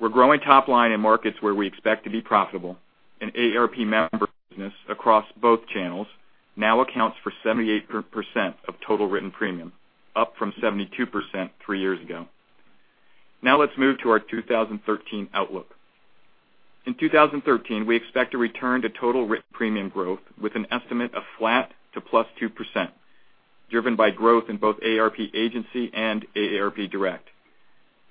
We're growing top line in markets where we expect to be profitable, and AARP member business across both channels now accounts for 78% of total written premium, up from 72% three years ago. Let's move to our 2013 outlook. In 2013, we expect to return to total written premium growth with an estimate of flat to +2%, driven by growth in both AARP Agency and AARP Direct.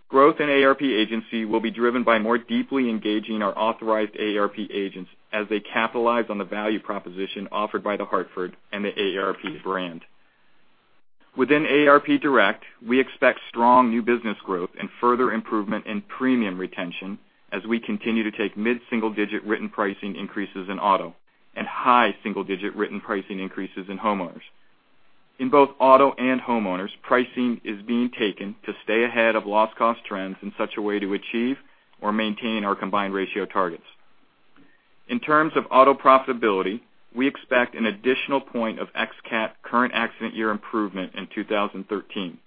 Growth in AARP Agency will be driven by more deeply engaging our authorized AARP agents as they capitalize on the value proposition offered by The Hartford and the AARP brand. Within AARP Direct, we expect strong new business growth and further improvement in premium retention as we continue to take mid-single-digit written pricing increases in auto and high single-digit written pricing increases in homeowners. In both auto and homeowners, pricing is being taken to stay ahead of loss cost trends in such a way to achieve or maintain our combined ratio targets. In terms of auto profitability, we expect an additional point of ex-CAT current accident year improvement in 2013.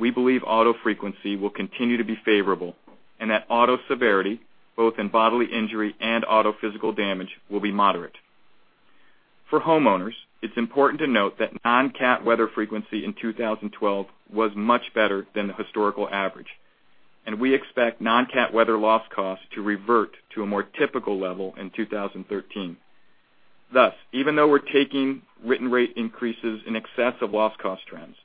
We believe auto frequency will continue to be favorable and that auto severity, both in bodily injury and auto physical damage, will be moderate. For homeowners, it's important to note that non-CAT weather frequency in 2012 was much better than the historical average, and we expect non-CAT weather loss costs to revert to a more typical level in 2013. Thus, even though we're taking written rate increases in excess of loss cost trends,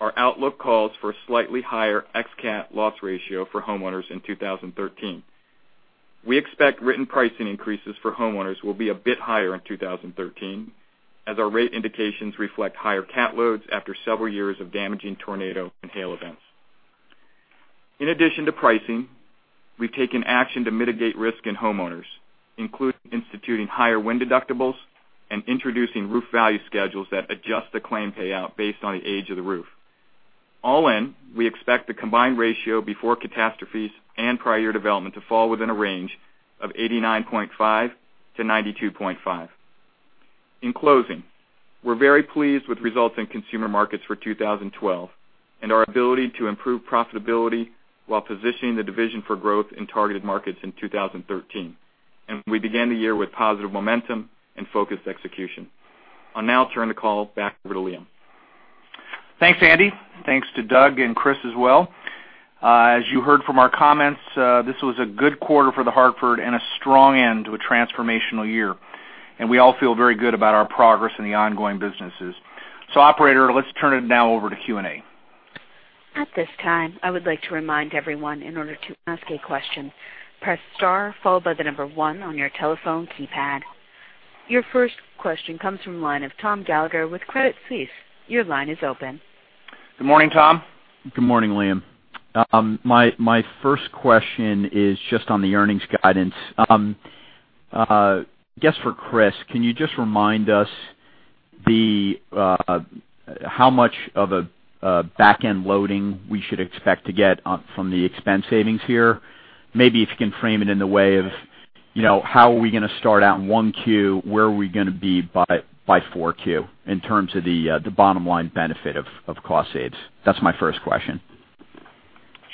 our outlook calls for a slightly higher ex-CAT loss ratio for homeowners in 2013. We expect written pricing increases for homeowners will be a bit higher in 2013, as our rate indications reflect higher CAT loads after several years of damaging tornado and hail events. In addition to pricing, we've taken action to mitigate risk in homeowners, including instituting higher wind deductibles and introducing roof value schedules that adjust the claim payout based on the age of the roof. All in, we expect the combined ratio before catastrophes and prior year development to fall within a range of 89.5%-92.5%. In closing, we're very pleased with results in consumer markets for 2012 and our ability to improve profitability while positioning the division for growth in targeted markets in 2013. We began the year with positive momentum and focused execution. I'll now turn the call back over to Liam. Thanks, Andy. Thanks to Doug and Chris as well. As you heard from our comments, this was a good quarter for The Hartford and a strong end to a transformational year. We all feel very good about our progress in the ongoing businesses. Operator, let's turn it now over to Q&A. At this time, I would like to remind everyone, in order to ask a question, press star followed by the number 1 on your telephone keypad. Your first question comes from the line of Tom Gallagher with Credit Suisse. Your line is open. Good morning, Tom. Good morning, Liam. My first question is just on the earnings guidance. Guess for Chris, can you just remind us how much of a back-end loading we should expect to get from the expense savings here? Maybe if you can frame it in the way of how are we going to start out in Q1? Where are we going to be by Q4 in terms of the bottom line benefit of cost saves? That's my first question.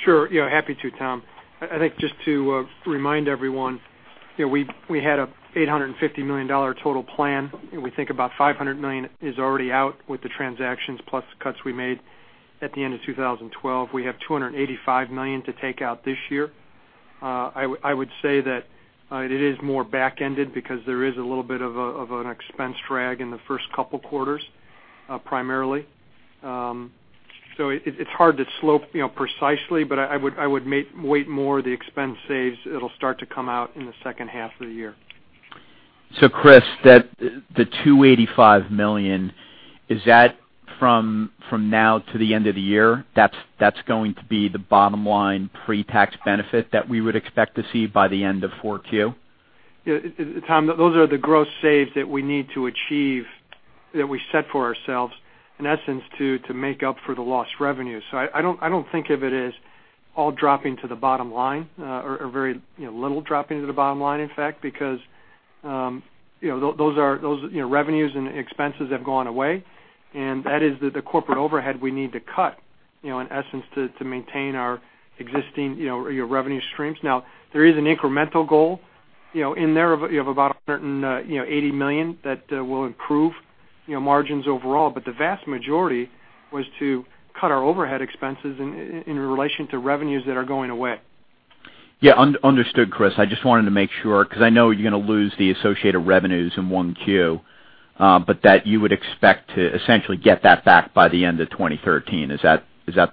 Sure. Happy to, Tom. I think just to remind everyone, we had an $850 million total plan, and we think about $500 million is already out with the transactions plus cuts we made at the end of 2012. We have $285 million to take out this year. I would say that it is more back-ended because there is a little bit of an expense drag in the first couple of quarters, primarily. It's hard to slope precisely, but I would weight more the expense saves. It'll start to come out in the second half of the year. Chris, the $285 million, is that from now to the end of the year? That's going to be the bottom line pre-tax benefit that we would expect to see by the end of Q4? Tom, those are the gross saves that we need to achieve that we set for ourselves, in essence, to make up for the lost revenue. I don't think of it as all dropping to the bottom line or very little dropping to the bottom line, in fact, because those revenues and expenses have gone away, and that is the corporate overhead we need to cut, in essence, to maintain our existing revenue streams. Now, there is an incremental goal in there of about a certain $80 million that will improve margins overall. The vast majority was to cut our overhead expenses in relation to revenues that are going away. Yeah. Understood, Chris. I just wanted to make sure because I know you're going to lose the associated revenues in Q1, but that you would expect to essentially get that back by the end of 2013. Is that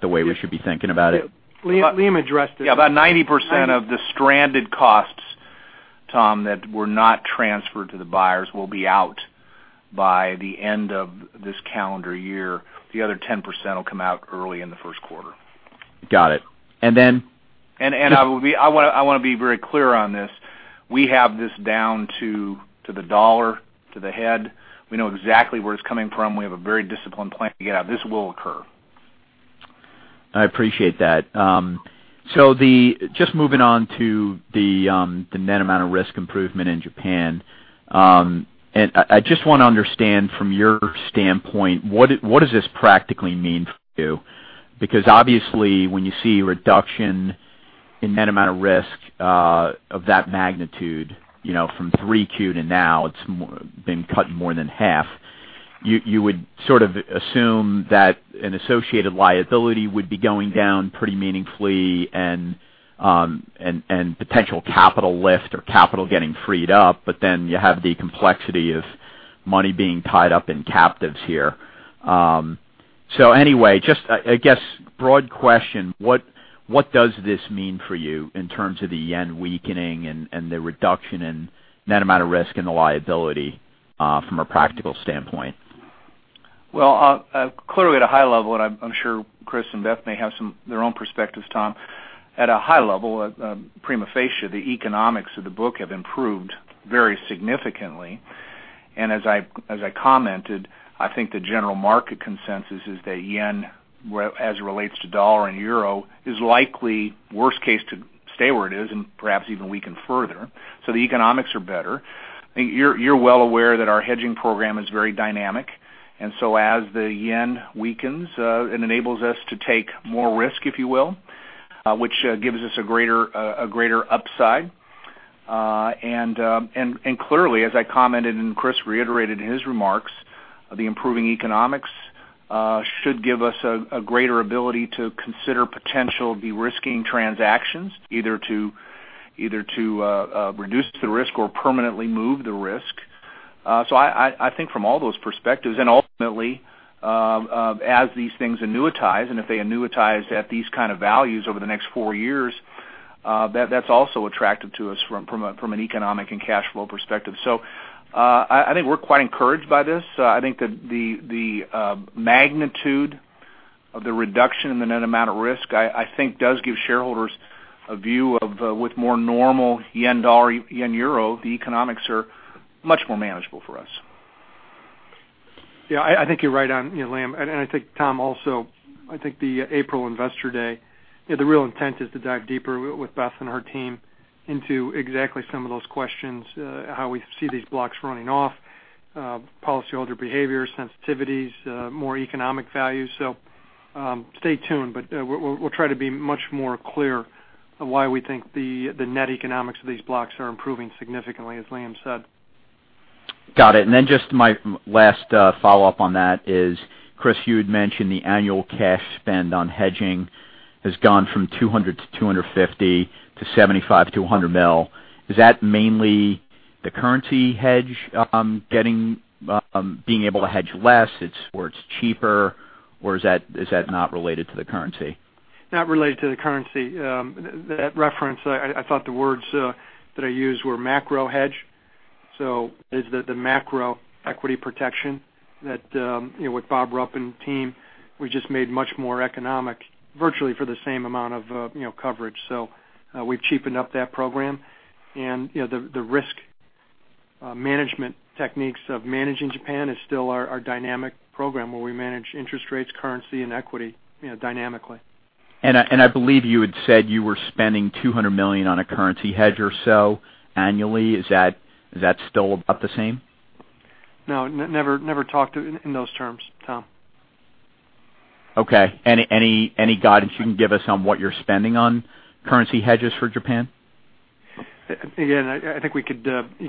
the way we should be thinking about it? Liam addressed it. Yeah. About 90% of the stranded costs, Tom, that were not transferred to the buyers will be out by the end of this calendar year. The other 10% will come out early in the first quarter. Got it. I want to be very clear on this. We have this down to the dollar, to the head. We know exactly where it's coming from. We have a very disciplined plan to get out. This will occur. I appreciate that. Moving on to the net amount of risk improvement in Japan. I want to understand from your standpoint, what does this practically mean for you? When you see a reduction in net amount of risk of that magnitude from Q3 to now, it's been cut more than half. You would sort of assume that an associated liability would be going down pretty meaningfully and potential capital lift or capital getting freed up. You have the complexity of money being tied up in captives here. Broad question, what does this mean for you in terms of the yen weakening and the reduction in net amount of risk and the liability from a practical standpoint? Clearly at a high level, and I'm sure Chris and Beth may have their own perspectives, Tom. At a high level, prima facie, the economics of the book have improved very significantly. As I commented, I think the general market consensus is that yen, as it relates to U.S. dollar and euro, is likely, worst case, to stay where it is and perhaps even weaken further. The economics are better. You're well aware that our hedging program is very dynamic, as the yen weakens, it enables us to take more risk, if you will, which gives us a greater upside. Clearly, as I commented and Chris reiterated in his remarks, the improving economics should give us a greater ability to consider potential de-risking transactions, either to reduce the risk or permanently move the risk. I think from all those perspectives, ultimately, as these things annuitize, and if they annuitize at these kind of values over the next 4 years, that's also attractive to us from an economic and cash flow perspective. I think we're quite encouraged by this. I think that the magnitude of the reduction in the net amount of risk, I think does give shareholders a view of, with more normal yen U.S. dollar, yen euro, the economics are much more manageable for us. I think you're right on, Liam, I think Tom also. I think the April investor day, the real intent is to dive deeper with Beth and her team into exactly some of those questions, how we see these blocks running off, policyholder behavior, sensitivities, more economic value. Stay tuned, we'll try to be much more clear on why we think the net economics of these blocks are improving significantly, as Liam said. Got it. Just my last follow-up on that is, Chris, you had mentioned the annual cash spend on hedging has gone from $200 million-$250 million to $75 million-$100 million. Is that mainly the currency hedge getting, being able to hedge less, or it's cheaper? Is that not related to the currency? Not related to the currency. That reference, I thought the words that I used were macro hedge. It is the macro equity protection that with Robert Rupp and team, we just made much more economic virtually for the same amount of coverage. We've cheapened up that program. The risk management techniques of managing Japan is still our dynamic program where we manage interest rates, currency, and equity dynamically. I believe you had said you were spending $200 million on a currency hedge or so annually. Is that still about the same? No, never talked in those terms, Tom. Okay. Any guidance you can give us on what you're spending on currency hedges for Japan? I think we could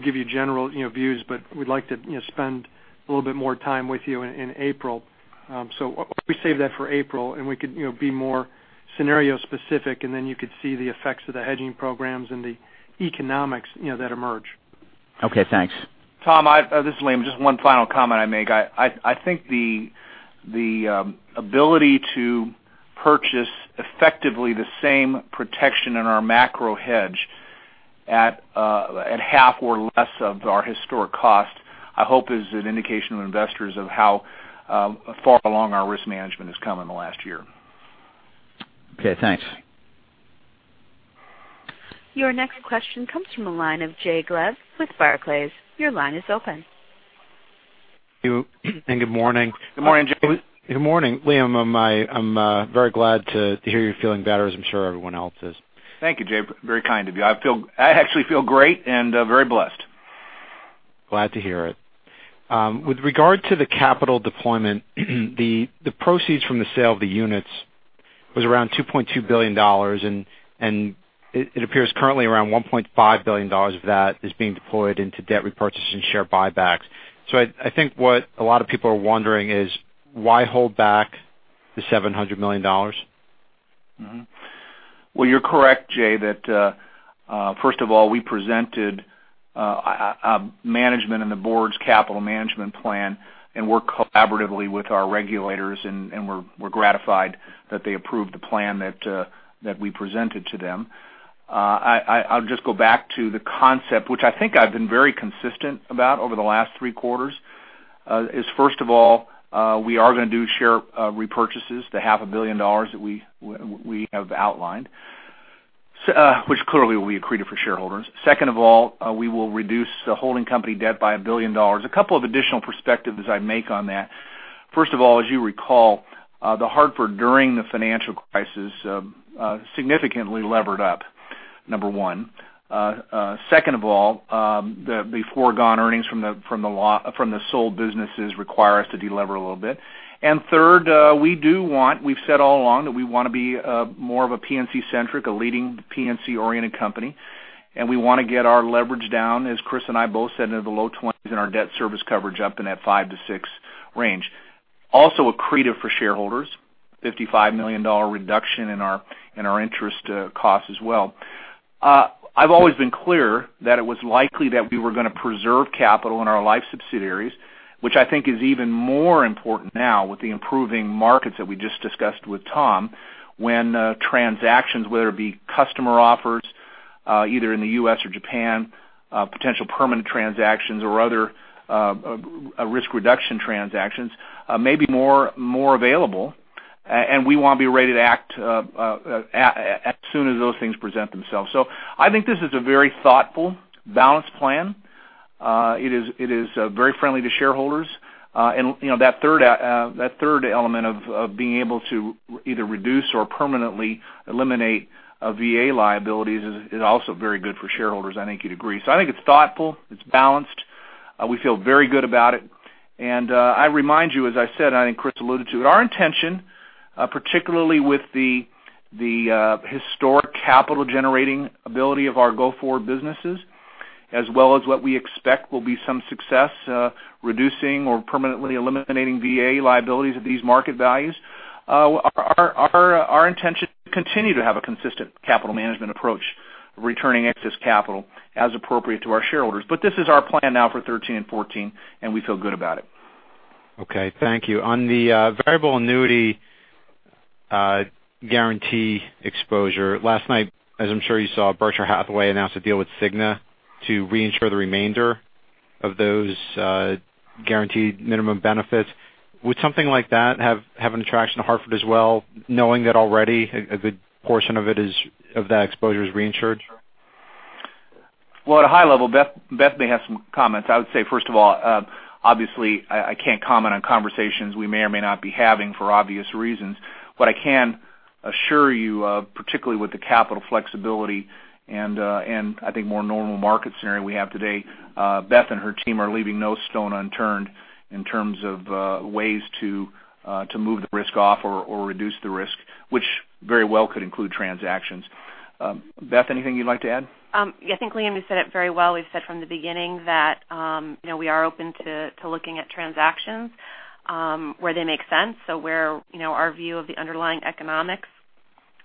give you general views, but we'd like to spend a little bit more time with you in April. Why don't we save that for April, and we could be more scenario specific, and then you could see the effects of the hedging programs and the economics that emerge. Okay, thanks. Tom, this is Liam. Just one final comment I make. I think the ability to purchase effectively the same protection in our macro hedge at half or less of our historic cost, I hope is an indication of investors of how far along our risk management has come in the last year. Okay, thanks. Your next question comes from the line of Jay Gelb with Barclays. Your line is open. Thank you. Good morning. Good morning, Jay. Good morning. Liam, I'm very glad to hear you're feeling better, as I'm sure everyone else is. Thank you, Jay. Very kind of you. I actually feel great and very blessed. Glad to hear it. With regard to the capital deployment, the proceeds from the sale of the units was around $2.2 billion, and it appears currently around $1.5 billion of that is being deployed into debt repurchase and share buybacks. I think what a lot of people are wondering is why hold back the $700 million? Well, you're correct, Jay, that first of all, we presented management and the board's capital management plan and worked collaboratively with our regulators, and we're gratified that they approved the plan that we presented to them. I'll just go back to the concept, which I think I've been very consistent about over the last three quarters, is first of all, we are going to do share repurchases, the half a billion dollars that we have outlined, which clearly will be accretive for shareholders. Second of all, we will reduce the holding company debt by $1 billion. A couple of additional perspectives I'd make on that. First of all, as you recall, The Hartford during the financial crisis significantly levered up, number one. Second of all, the foregone earnings from the sold businesses require us to delever a little bit. Third, we've said all along that we want to be more of a P&C centric, a leading P&C-oriented company, and we want to get our leverage down, as Chris Swift and I both said, into the low 20s and our debt service coverage up in that 5 to 6 range. Also accretive for shareholders, $55 million reduction in our interest costs as well. I've always been clear that it was likely that we were going to preserve capital in our life subsidiaries, which I think is even more important now with the improving markets that we just discussed with Tom Gallagher when transactions, whether it be customer offers either in the U.S. or Japan, potential permanent transactions or other risk reduction transactions may be more available, and we want to be ready to act as soon as those things present themselves. I think this is a very thoughtful, balanced plan. It is very friendly to shareholders. That third element of being able to either reduce or permanently eliminate VA liabilities is also very good for shareholders, I think you'd agree. I think it's thoughtful, it's balanced. We feel very good about it. I remind you, as I said, I think Chris Swift alluded to it, our intention, particularly with the historic capital generating ability of our go-forward businesses, as well as what we expect will be some success reducing or permanently eliminating VA liabilities at these market values. Our intention to continue to have a consistent capital management approach, returning excess capital as appropriate to our shareholders. This is our plan now for 2013 and 2014, and we feel good about it. Okay, thank you. On the variable annuity guarantee exposure, last night, as I'm sure you saw, Berkshire Hathaway announced a deal with Cigna to reinsure the remainder of those guaranteed minimum benefits. Would something like that have an attraction to The Hartford as well, knowing that already a good portion of that exposure is reinsured? Well, at a high level, Beth Bombara may have some comments. I would say, first of all, obviously, I can't comment on conversations we may or may not be having for obvious reasons. What I can assure you of, particularly with the capital flexibility and I think more normal market scenario we have today, Beth Bombara and her team are leaving no stone unturned in terms of ways to move the risk off or reduce the risk, which very well could include transactions. Beth Bombara, anything you'd like to add? Yes. I think Liam, you said it very well. We've said from the beginning that we are open to looking at transactions where they make sense. Where our view of the underlying economics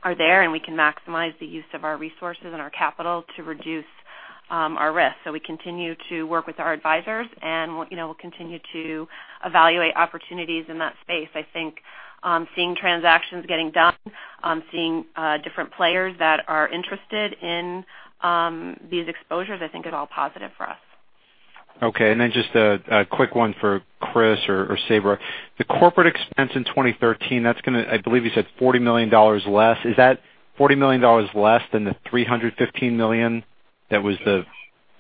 are there, and we can maximize the use of our resources and our capital to reduce our risk. We continue to work with our advisors, and we'll continue to evaluate opportunities in that space. I think, seeing transactions getting done, seeing different players that are interested in these exposures, I think is all positive for us. Okay. Just a quick one for Chris or Sabra. The corporate expense in 2013, that's going to, I believe you said $40 million less. Is that $40 million less than the $315 million that was the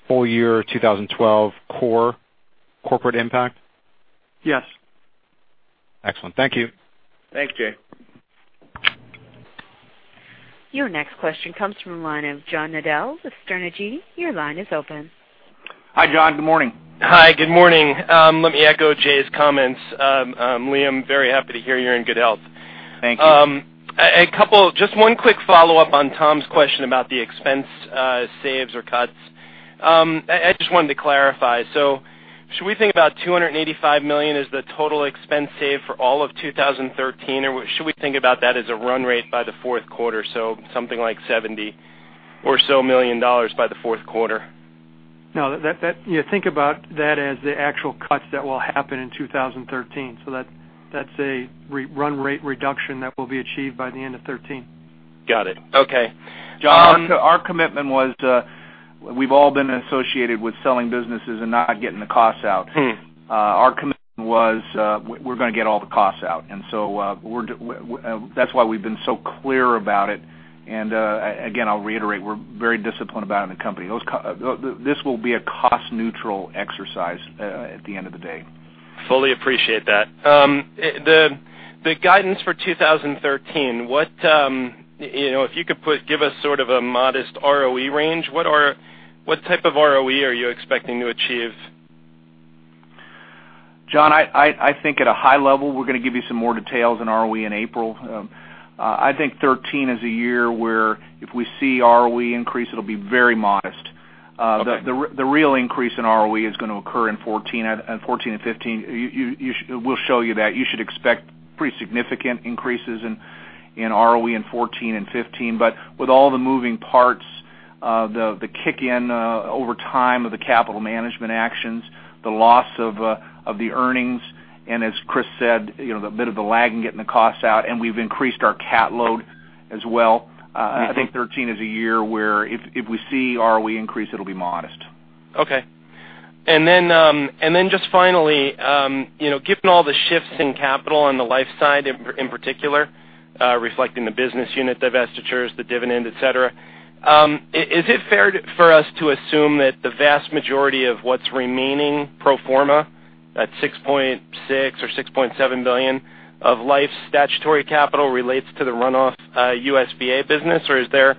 full year 2012 core corporate impact? Yes. Excellent. Thank you. Thank you, Jay. Your next question comes from the line of John Nadel with Sterne Agee. Your line is open. Hi, John. Good morning. Hi, good morning. Let me echo Jay's comments. Liam, very happy to hear you're in good health. Thank you. Just one quick follow-up on Tom's question about the expense saves or cuts. I just wanted to clarify. Should we think about $285 million as the total expense save for all of 2013, or should we think about that as a run rate by the fourth quarter, something like $70 or so million by the fourth quarter? No. Think about that as the actual cuts that will happen in 2013. That's a run rate reduction that will be achieved by the end of 2013. Got it. Okay. Our commitment was, we've all been associated with selling businesses and not getting the costs out. Our commitment was we're going to get all the costs out. That's why we've been so clear about it. Again, I'll reiterate, we're very disciplined about it in the company. This will be a cost-neutral exercise at the end of the day. Fully appreciate that. The guidance for 2013, if you could give us sort of a modest ROE range, what type of ROE are you expecting to achieve? John, I think at a high level, we're going to give you some more details on ROE in April. I think 2013 is a year where if we see ROE increase, it'll be very modest. Okay. The real increase in ROE is going to occur in 2014 and 2015. We'll show you that. You should expect pretty significant increases in ROE in 2014 and 2015. With all the moving parts, the kick in over time of the capital management actions, the loss of the earnings, and as Chris said, the bit of the lag in getting the costs out, and we've increased our CAT load as well. I think 2013 is a year where if we see ROE increase, it'll be modest. Okay. Just finally, given all the shifts in capital on the life side in particular, reflecting the business unit divestitures, the dividend, et cetera, is it fair for us to assume that the vast majority of what's remaining pro forma, that $6.6 billion or $6.7 billion of life statutory capital relates to the runoff U.S. VA business, or is there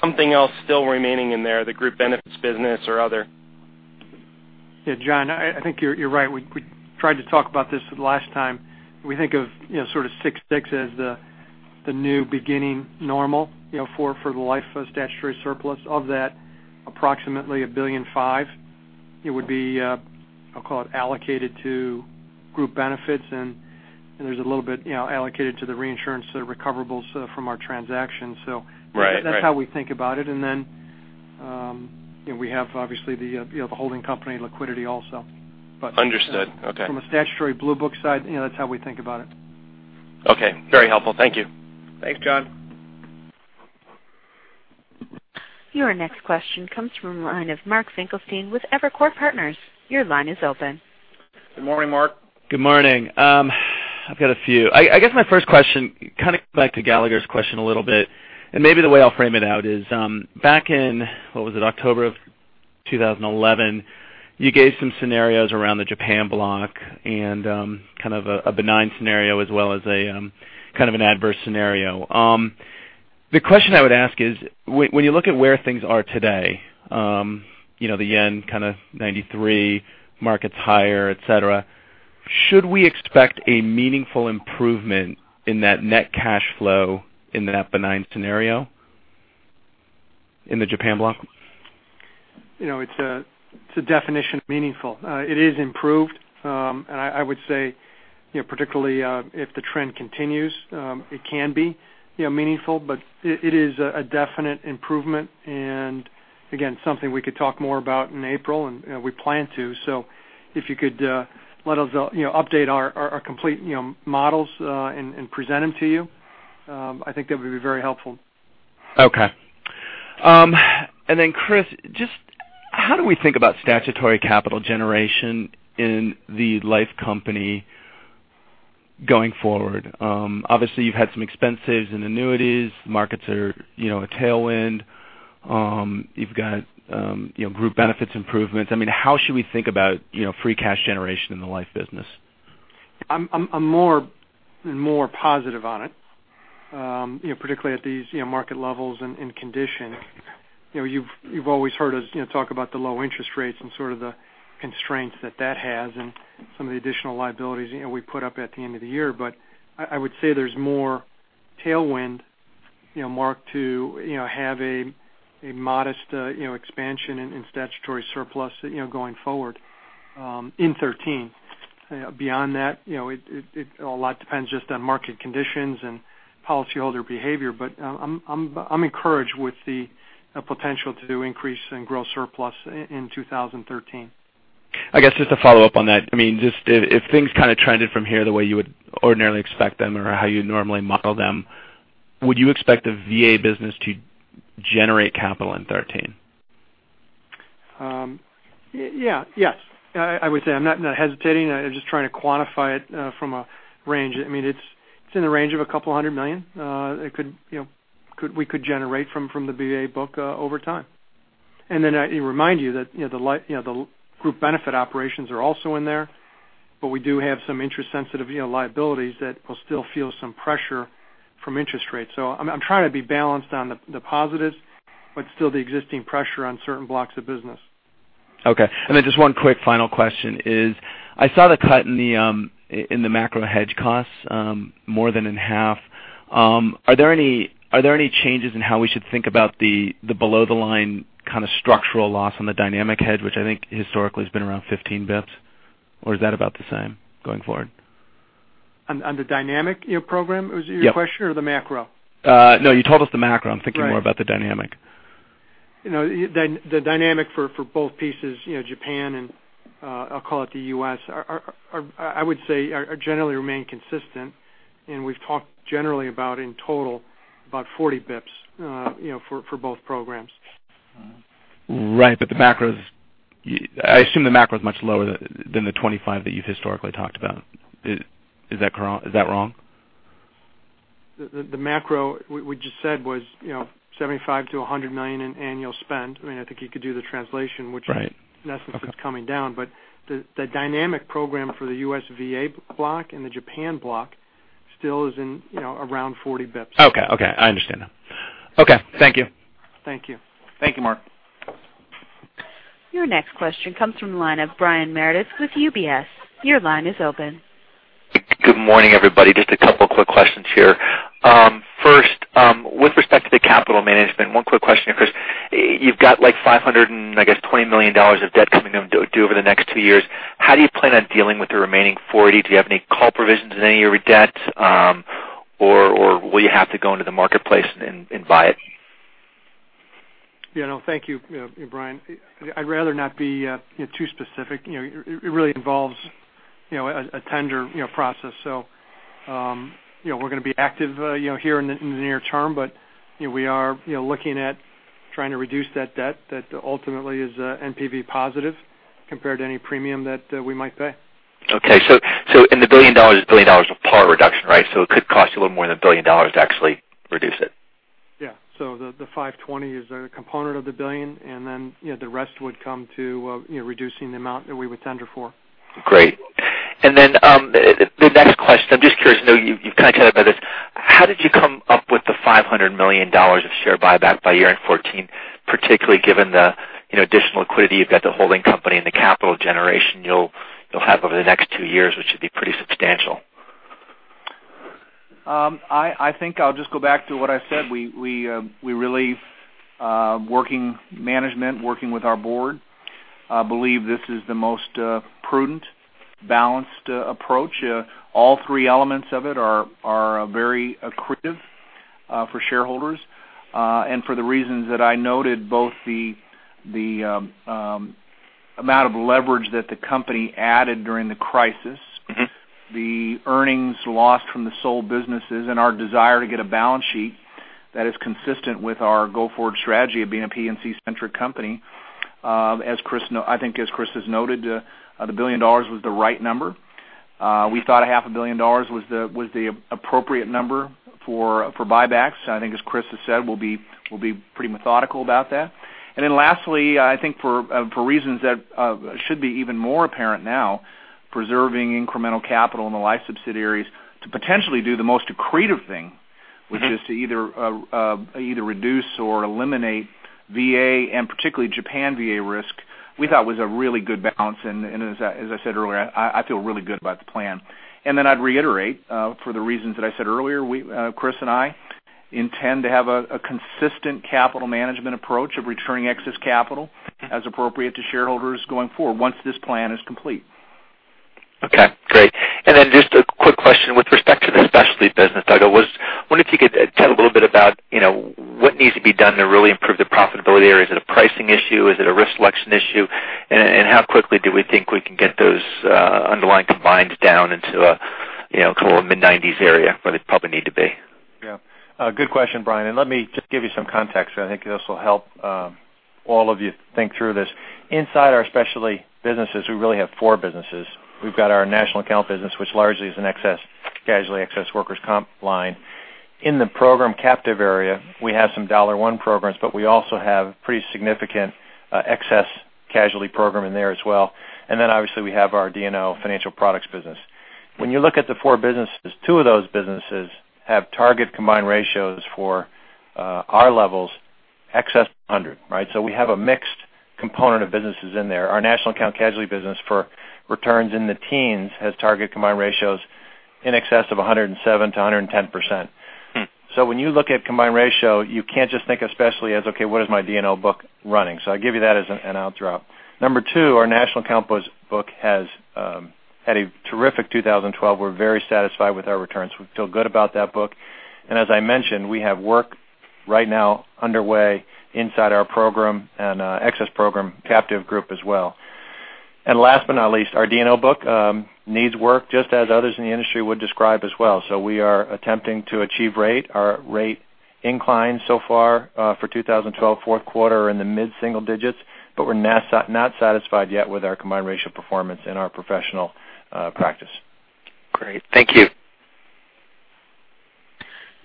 something else still remaining in there, the Group Benefits business or other? Yeah, John, I think you're right. We tried to talk about this last time. We think of sort of six-six as the new beginning normal for the life statutory surplus. Of that, approximately $1.5 billion, it would be, I'll call it, allocated to Group Benefits, and there's a little bit allocated to the reinsurance recoverables from our transaction. Right. That's how we think about it. We have obviously the holding company liquidity also. Understood. Okay. From a statutory blue book side, that's how we think about it. Okay. Very helpful. Thank you. Thanks, John. Your next question comes from the line of Mark Finkelstein with Evercore Partners. Your line is open. Good morning, Mark. Good morning. I've got a few. I guess my first question, kind of back to Gallagher's question a little bit, and maybe the way I'll frame it out is, back in, what was it, October of 2011, you gave some scenarios around the Japan block and kind of a benign scenario as well as kind of an adverse scenario. The question I would ask is, when you look at where things are today, the yen kind of 93, market's higher, et cetera? Should we expect a meaningful improvement in that net cash flow in that benign scenario in the Japan block? It's a definition of meaningful. It is improved. I would say, particularly, if the trend continues, it can be meaningful, but it is a definite improvement and again, something we could talk more about in April and we plan to. If you could let us update our complete models and present them to you, I think that would be very helpful. Okay. Then Chris, just how do we think about statutory capital generation in the life company going forward? Obviously, you've had some expenses and annuities. Markets are a tailwind. You've got group benefits improvements. How should we think about free cash generation in the life business? I'm more positive on it. Particularly at these market levels and condition. You've always heard us talk about the low interest rates and sort of the constraints that that has and some of the additional liabilities we put up at the end of the year. I would say there's more tailwind, Mark, to have a modest expansion in statutory surplus going forward in 2013. Beyond that, a lot depends just on market conditions and policyholder behavior. I'm encouraged with the potential to increase in gross surplus in 2013. I guess just to follow up on that, just if things kind of trended from here the way you would ordinarily expect them or how you normally model them, would you expect the VA business to generate capital in 2013? Yes. I would say I'm not hesitating. I'm just trying to quantify it from a range. It's in the range of $200 million. We could generate from the VA book over time. I remind you that the group benefit operations are also in there, but we do have some interest sensitive liabilities that will still feel some pressure from interest rates. I'm trying to be balanced on the positives, but still the existing pressure on certain blocks of business. Okay. Just one quick final question is, I saw the cut in the macro hedge costs more than in half. Are there any changes in how we should think about the below the line kind of structural loss on the dynamic hedge, which I think historically has been around 15 basis points? Is that about the same going forward? On the dynamic program was your question or the macro? You told us the macro. I'm thinking more about the dynamic. The dynamic for both pieces, Japan and I'll call it the U.S., I would say generally remain consistent, and we've talked generally about in total, about 40 basis points for both programs. Right. I assume the macro is much lower than the 25 that you've historically talked about. Is that wrong? The macro, we just said was $75 million-$100 million in annual spend. I think you could do the translation, which in essence is coming down. The dynamic program for the U.S. VA block and the Japan block still is in around 40 basis points. Okay. I understand that. Okay. Thank you. Thank you. Thank you, Mark. Your next question comes from the line of Brian Meredith with UBS. Your line is open. Good morning, everybody. Just a couple quick questions here. First, with respect to the capital management, one quick question, Chris. You've got like $520 million of debt coming due over the next 2 years. How do you plan on dealing with the remaining 40? Do you have any call provisions in any of your debt? Will you have to go into the marketplace and buy it? Yeah, no, thank you, Brian. I'd rather not be too specific. It really involves a tender process. We're going to be active here in the near term, we are looking at trying to reduce that debt that ultimately is NPV positive compared to any premium that we might pay. Okay. In the $1 billion is a $1 billion of par reduction, right? It could cost you a little more than $1 billion to actually reduce it. The 520 is a component of the $1 billion, the rest would come to reducing the amount that we would tender for. Great. The next question, I'm just curious, I know you've kind of hinted about this. How did you come up with the $500 million of share buyback by year-end 2014, particularly given the additional liquidity you've got the holding company and the capital generation you'll have over the next two years, which should be pretty substantial? I think I'll just go back to what I said. We really working management, working with our board, believe this is the most prudent, balanced approach. All three elements of it are very accretive for shareholders. For the reasons that I noted, both the amount of leverage that the company added during the crisis, the earnings lost from the sold businesses, our desire to get a balance sheet that is consistent with our go-forward strategy of being a P&C-centric company. I think as Chris has noted, the $1 billion was the right number. We thought a half a billion dollars was the appropriate number for buybacks. I think as Chris has said, we'll be pretty methodical about that. Lastly, I think for reasons that should be even more apparent now, preserving incremental capital in the life subsidiaries to potentially do the most accretive thing Which is to either reduce or eliminate VA, particularly Japan VA risk, we thought was a really good balance. As I said earlier, I feel really good about the plan. I'd reiterate, for the reasons that I said earlier, Chris and I intend to have a consistent capital management approach of returning excess capital as appropriate to shareholders going forward once this plan is complete. Just a quick question with respect to the specialty business, Doug. I was wondering if you could tell a little bit about what needs to be done to really improve the profitability there. Is it a pricing issue? Is it a risk selection issue? How quickly do we think we can get those underlying combines down into a mid-90s area where they probably need to be? Yeah. Good question, Brian. Let me just give you some context. I think this will help all of you think through this. Inside our specialty businesses, we really have four businesses. We've got our national account business, which largely is an excess casualty, excess workers' comp line. In the program captive area, we have some dollar one programs, but we also have pretty significant excess casualty program in there as well. Obviously we have our D&O financial products business. When you look at the four businesses, two of those businesses have target combined ratios for our levels excess 100, right? We have a mixed component of businesses in there. Our national account casualty business for returns in the teens has target combined ratios in excess of 107% to 110%. When you look at combined ratio, you can't just think especially as, okay, where's my D&O book running? I give you that as an out drop. Number two, our national account book has had a terrific 2012. We're very satisfied with our returns. We feel good about that book. As I mentioned, we have work right now underway inside our program and excess program captive group as well. Last but not least, our D&O book needs work just as others in the industry would describe as well. We are attempting to achieve rate. Our rate incline so far for 2012 fourth quarter are in the mid-single digits, but we're not satisfied yet with our combined ratio performance in our professional practice. Great. Thank you.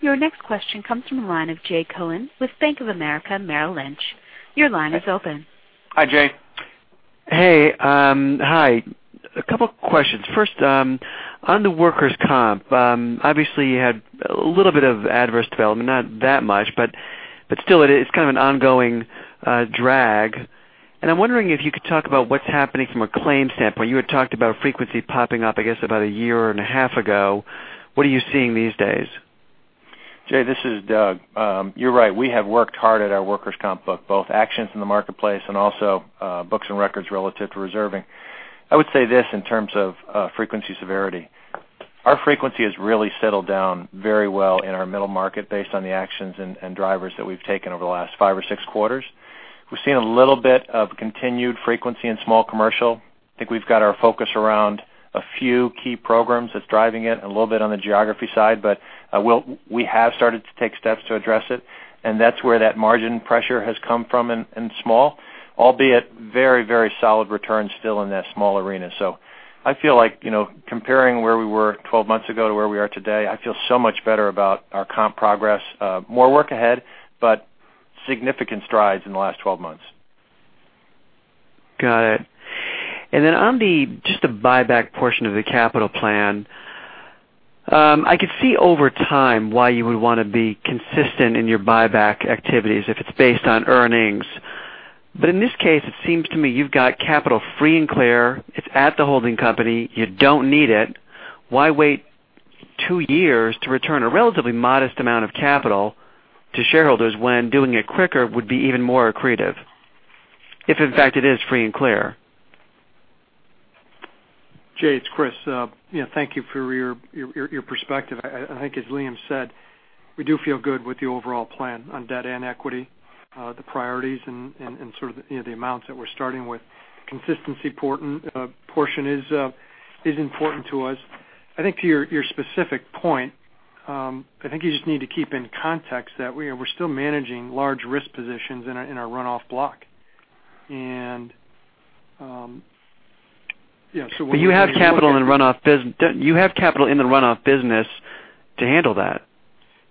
Your next question comes from the line of Jay Cohen with Bank of America Merrill Lynch. Your line is open. Hi, Jay. Hey. Hi. A couple questions. First, on the workers' comp, obviously you had a little bit of adverse development, not that much, but still it's kind of an ongoing drag. I'm wondering if you could talk about what's happening from a claim standpoint. You had talked about frequency popping up, I guess, about a year and a half ago. What are you seeing these days? Jay, this is Doug. You're right. We have worked hard at our workers' comp book, both actions in the marketplace and also books and records relative to reserving. I would say this in terms of frequency severity. Our frequency has really settled down very well in our middle market based on the actions and drivers that we've taken over the last five or six quarters. We've seen a little bit of continued frequency in small commercial. I think we've got our focus around a few key programs that's driving it a little bit on the geography side, but we have started to take steps to address it, and that's where that margin pressure has come from in small, albeit very solid returns still in that small arena. I feel like comparing where we were 12 months ago to where we are today, I feel so much better about our comp progress. More work ahead, but significant strides in the last 12 months. Got it. On the just the buyback portion of the capital plan, I could see over time why you would want to be consistent in your buyback activities if it's based on earnings. In this case, it seems to me you've got capital free and clear. It's at the holding company. You don't need it. Why wait 2 years to return a relatively modest amount of capital to shareholders when doing it quicker would be even more accretive, if in fact it is free and clear? Jay, it's Chris. Thank you for your perspective. I think as Liam said, we do feel good with the overall plan on debt and equity, the priorities and sort of the amounts that we're starting with. Consistency portion is important to us. I think to your specific point, I think you just need to keep in context that we're still managing large risk positions in our runoff block. You have capital in the runoff business to handle that.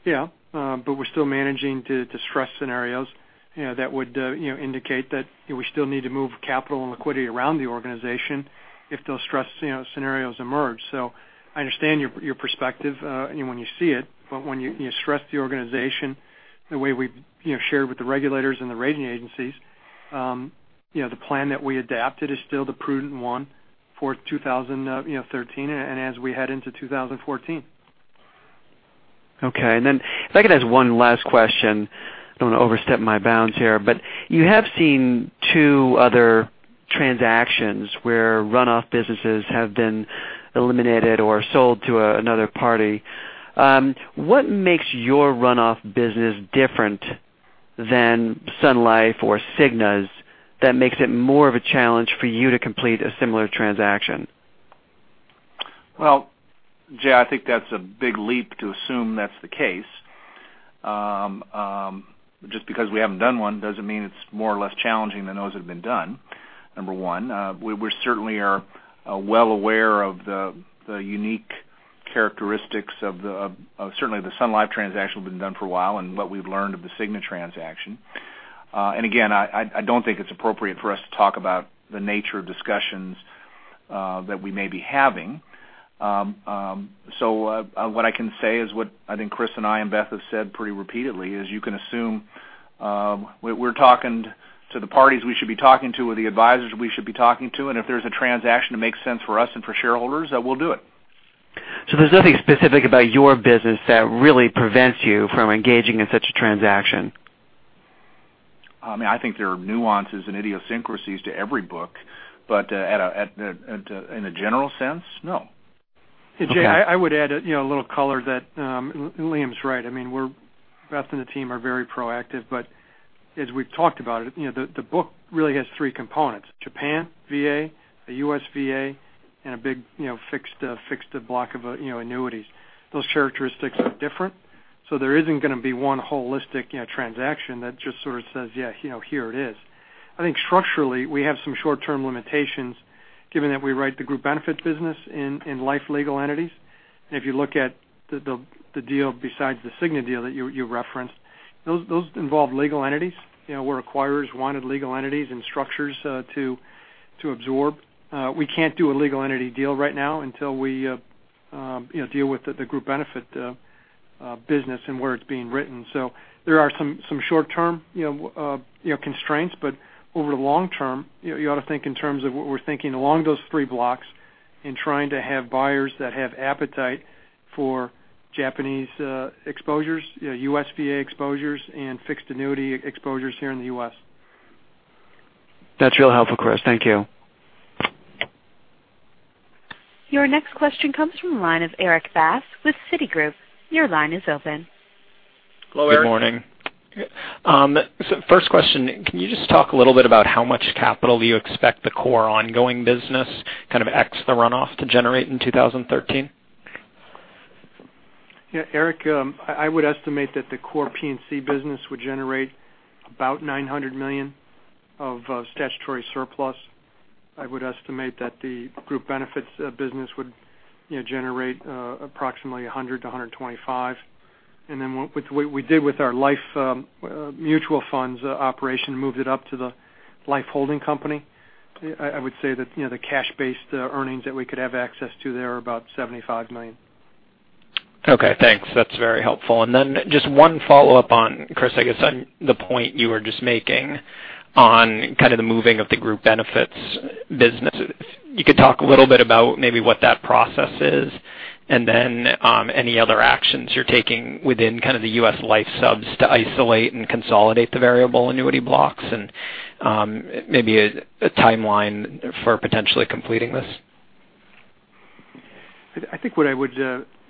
We're still managing to stress scenarios that would indicate that we still need to move capital and liquidity around the organization if those stress scenarios emerge. I understand your perspective when you see it, when you stress the organization the way we've shared with the regulators and the rating agencies, the plan that we adapted is still the prudent one for 2013 and as we head into 2014. If I could ask one last question. Don't want to overstep my bounds here, you have seen two other transactions where runoff businesses have been eliminated or sold to another party. What makes your runoff business different than Sun Life or Cigna's that makes it more of a challenge for you to complete a similar transaction? Jay, I think that's a big leap to assume that's the case. Just because we haven't done one doesn't mean it's more or less challenging than those that have been done, number one. We certainly are well aware of the unique characteristics of certainly the Sun Life transaction that's been done for a while and what we've learned of the Cigna transaction. Again, I don't think it's appropriate for us to talk about the nature of discussions That we may be having. What I can say is what I think Chris and I and Beth have said pretty repeatedly is you can assume we're talking to the parties we should be talking to or the advisors we should be talking to, if there's a transaction that makes sense for us and for shareholders, we'll do it. there's nothing specific about your business that really prevents you from engaging in such a transaction? I think there are nuances and idiosyncrasies to every book, but in a general sense, no. Jay, I would add a little color that Liam's right. Beth and the team are very proactive, but as we've talked about it, the book really has three components. Japan VA, a U.S. VA, and a big fixed block of annuities. Those characteristics are different. there isn't going to be one holistic transaction that just sort of says, "Yeah, here it is." I think structurally, we have some short-term limitations given that we write the group benefit business in life legal entities. If you look at the deal besides the Cigna deal that you referenced, those involve legal entities, where acquirers wanted legal entities and structures to absorb. We can't do a legal entity deal right now until we deal with the group benefit business and where it's being written. there are some short-term constraints, but over the long term, you ought to think in terms of what we're thinking along those three blocks and trying to have buyers that have appetite for Japanese exposures, U.S. VA exposures, and fixed annuity exposures here in the U.S. That's real helpful, Chris. Thank you. Your next question comes from the line of Erik Bass with Citigroup. Your line is open. Hello, Erik. First question, can you just talk a little bit about how much capital you expect the core ongoing business, kind of ex the runoff to generate in 2013? Yeah, Erik, I would estimate that the core P&C business would generate about $900 million of statutory surplus. I would estimate that the group benefits business would generate approximately $100 million-$125 million. Then what we did with our life mutual funds operation, moved it up to the life holding company. I would say that the cash-based earnings that we could have access to there are about $75 million. Okay, thanks. That's very helpful. Then just one follow-up on, Chris, I guess on the point you were just making on kind of the moving of the group benefits business. You could talk a little bit about maybe what that process is, then any other actions you're taking within kind of the U.S. life subs to isolate and consolidate the variable annuity blocks, and maybe a timeline for potentially completing this. I think what I would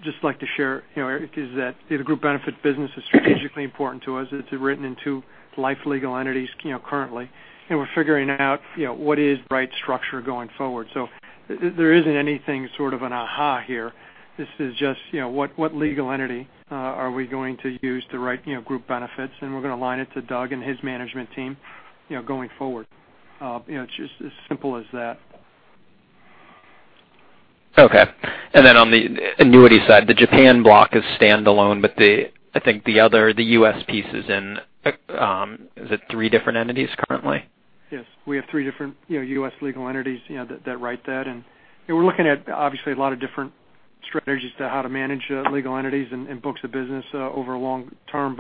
just like to share, Erik, is that the group benefit business is strategically important to us. It's written in two life legal entities currently. We're figuring out what is right structure going forward. There isn't anything sort of an aha here. This is just what legal entity are we going to use to write group benefits, and we're going to align it to Doug and his management team going forward. It's just as simple as that. Okay. Then on the annuity side, the Japan block is standalone, but I think the other, the U.S. piece is in, is it three different entities currently? Yes. We have three different U.S. legal entities that write that. We're looking at, obviously, a lot of different strategies to how to manage legal entities and books of business over a long term.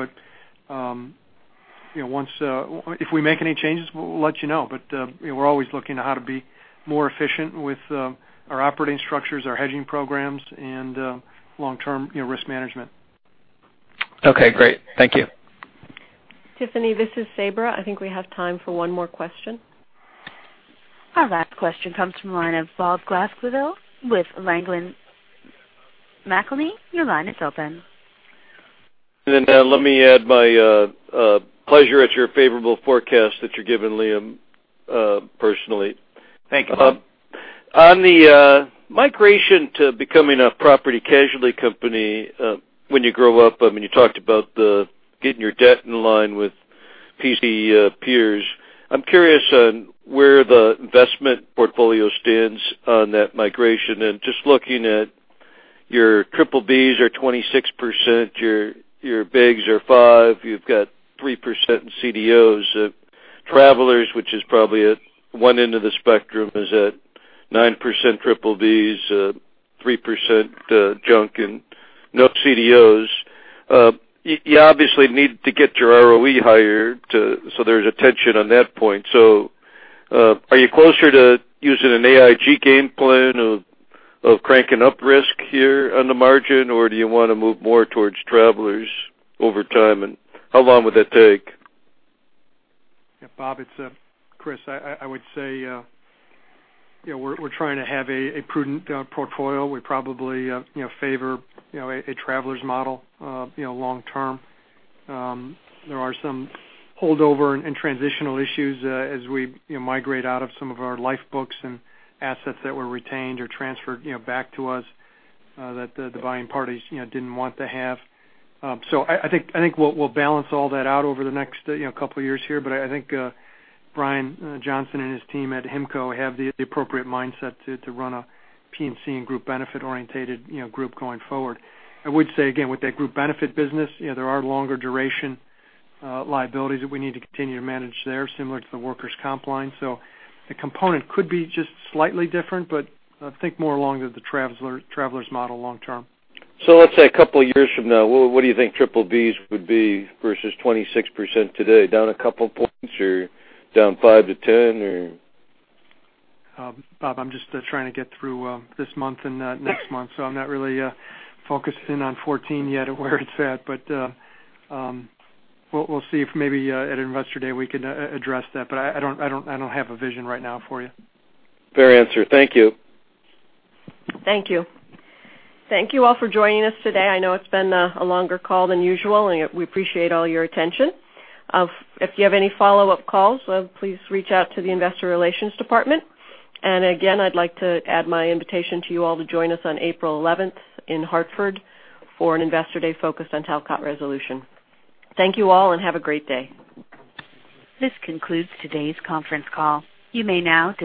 If we make any changes, we'll let you know. We're always looking at how to be more efficient with our operating structures, our hedging programs, and long-term risk management. Okay, great. Thank you. Tiffany, this is Sabra. I think we have time for one more question. Our last question comes from the line of Bob Glasspiegel with Langen McAlenney. Your line is open. let me add my pleasure at your favorable forecast that you're giving Liam, personally. Thank you. On the migration to becoming a property casualty company when you grow up, I mean, you talked about the getting your debt in line with P&C peers. I'm curious on where the investment portfolio stands on that migration, and just looking at your triple Bs are 26%, your bigs are five, you've got 3% in CDOs. Travelers, which is probably at one end of the spectrum, is at 9% triple Bs, 3% junk, and no CDOs. You obviously need to get your ROE higher so there's attention on that point. Are you closer to using an AIG game plan of cranking up risk here on the margin, or do you want to move more towards Travelers over time, and how long would that take? Bob, it's Chris. I would say we're trying to have a prudent portfolio. We probably favor a Travelers model long term. There are some holdover and transitional issues as we migrate out of some of our life books and assets that were retained or transferred back to us that the buying parties didn't want to have. I think we'll balance all that out over the next couple of years here. I think Brian Johnson and his team at HIMCO have the appropriate mindset to run a P&C and group benefit-orientated group going forward. I would say, again, with that group benefit business, there are longer duration liabilities that we need to continue to manage there, similar to the workers' comp line. The component could be just slightly different, but I think more along the Travelers model long term. Let's say a couple of years from now, what do you think triple Bs would be versus 26% today? Down a couple points or down five to 10, or? Bob, I'm just trying to get through this month and next month. I'm not really focused in on 14 yet of where it's at, but we'll see if maybe at Investor Day, we can address that. I don't have a vision right now for you. Fair answer. Thank you. Thank you. Thank you all for joining us today. I know it's been a longer call than usual, and we appreciate all your attention. If you have any follow-up calls, please reach out to the investor relations department. Again, I'd like to add my invitation to you all to join us on April 11th in Hartford for an Investor Day focused on Talcott Resolution. Thank you all, and have a great day. This concludes today's conference call. You may now disconnect.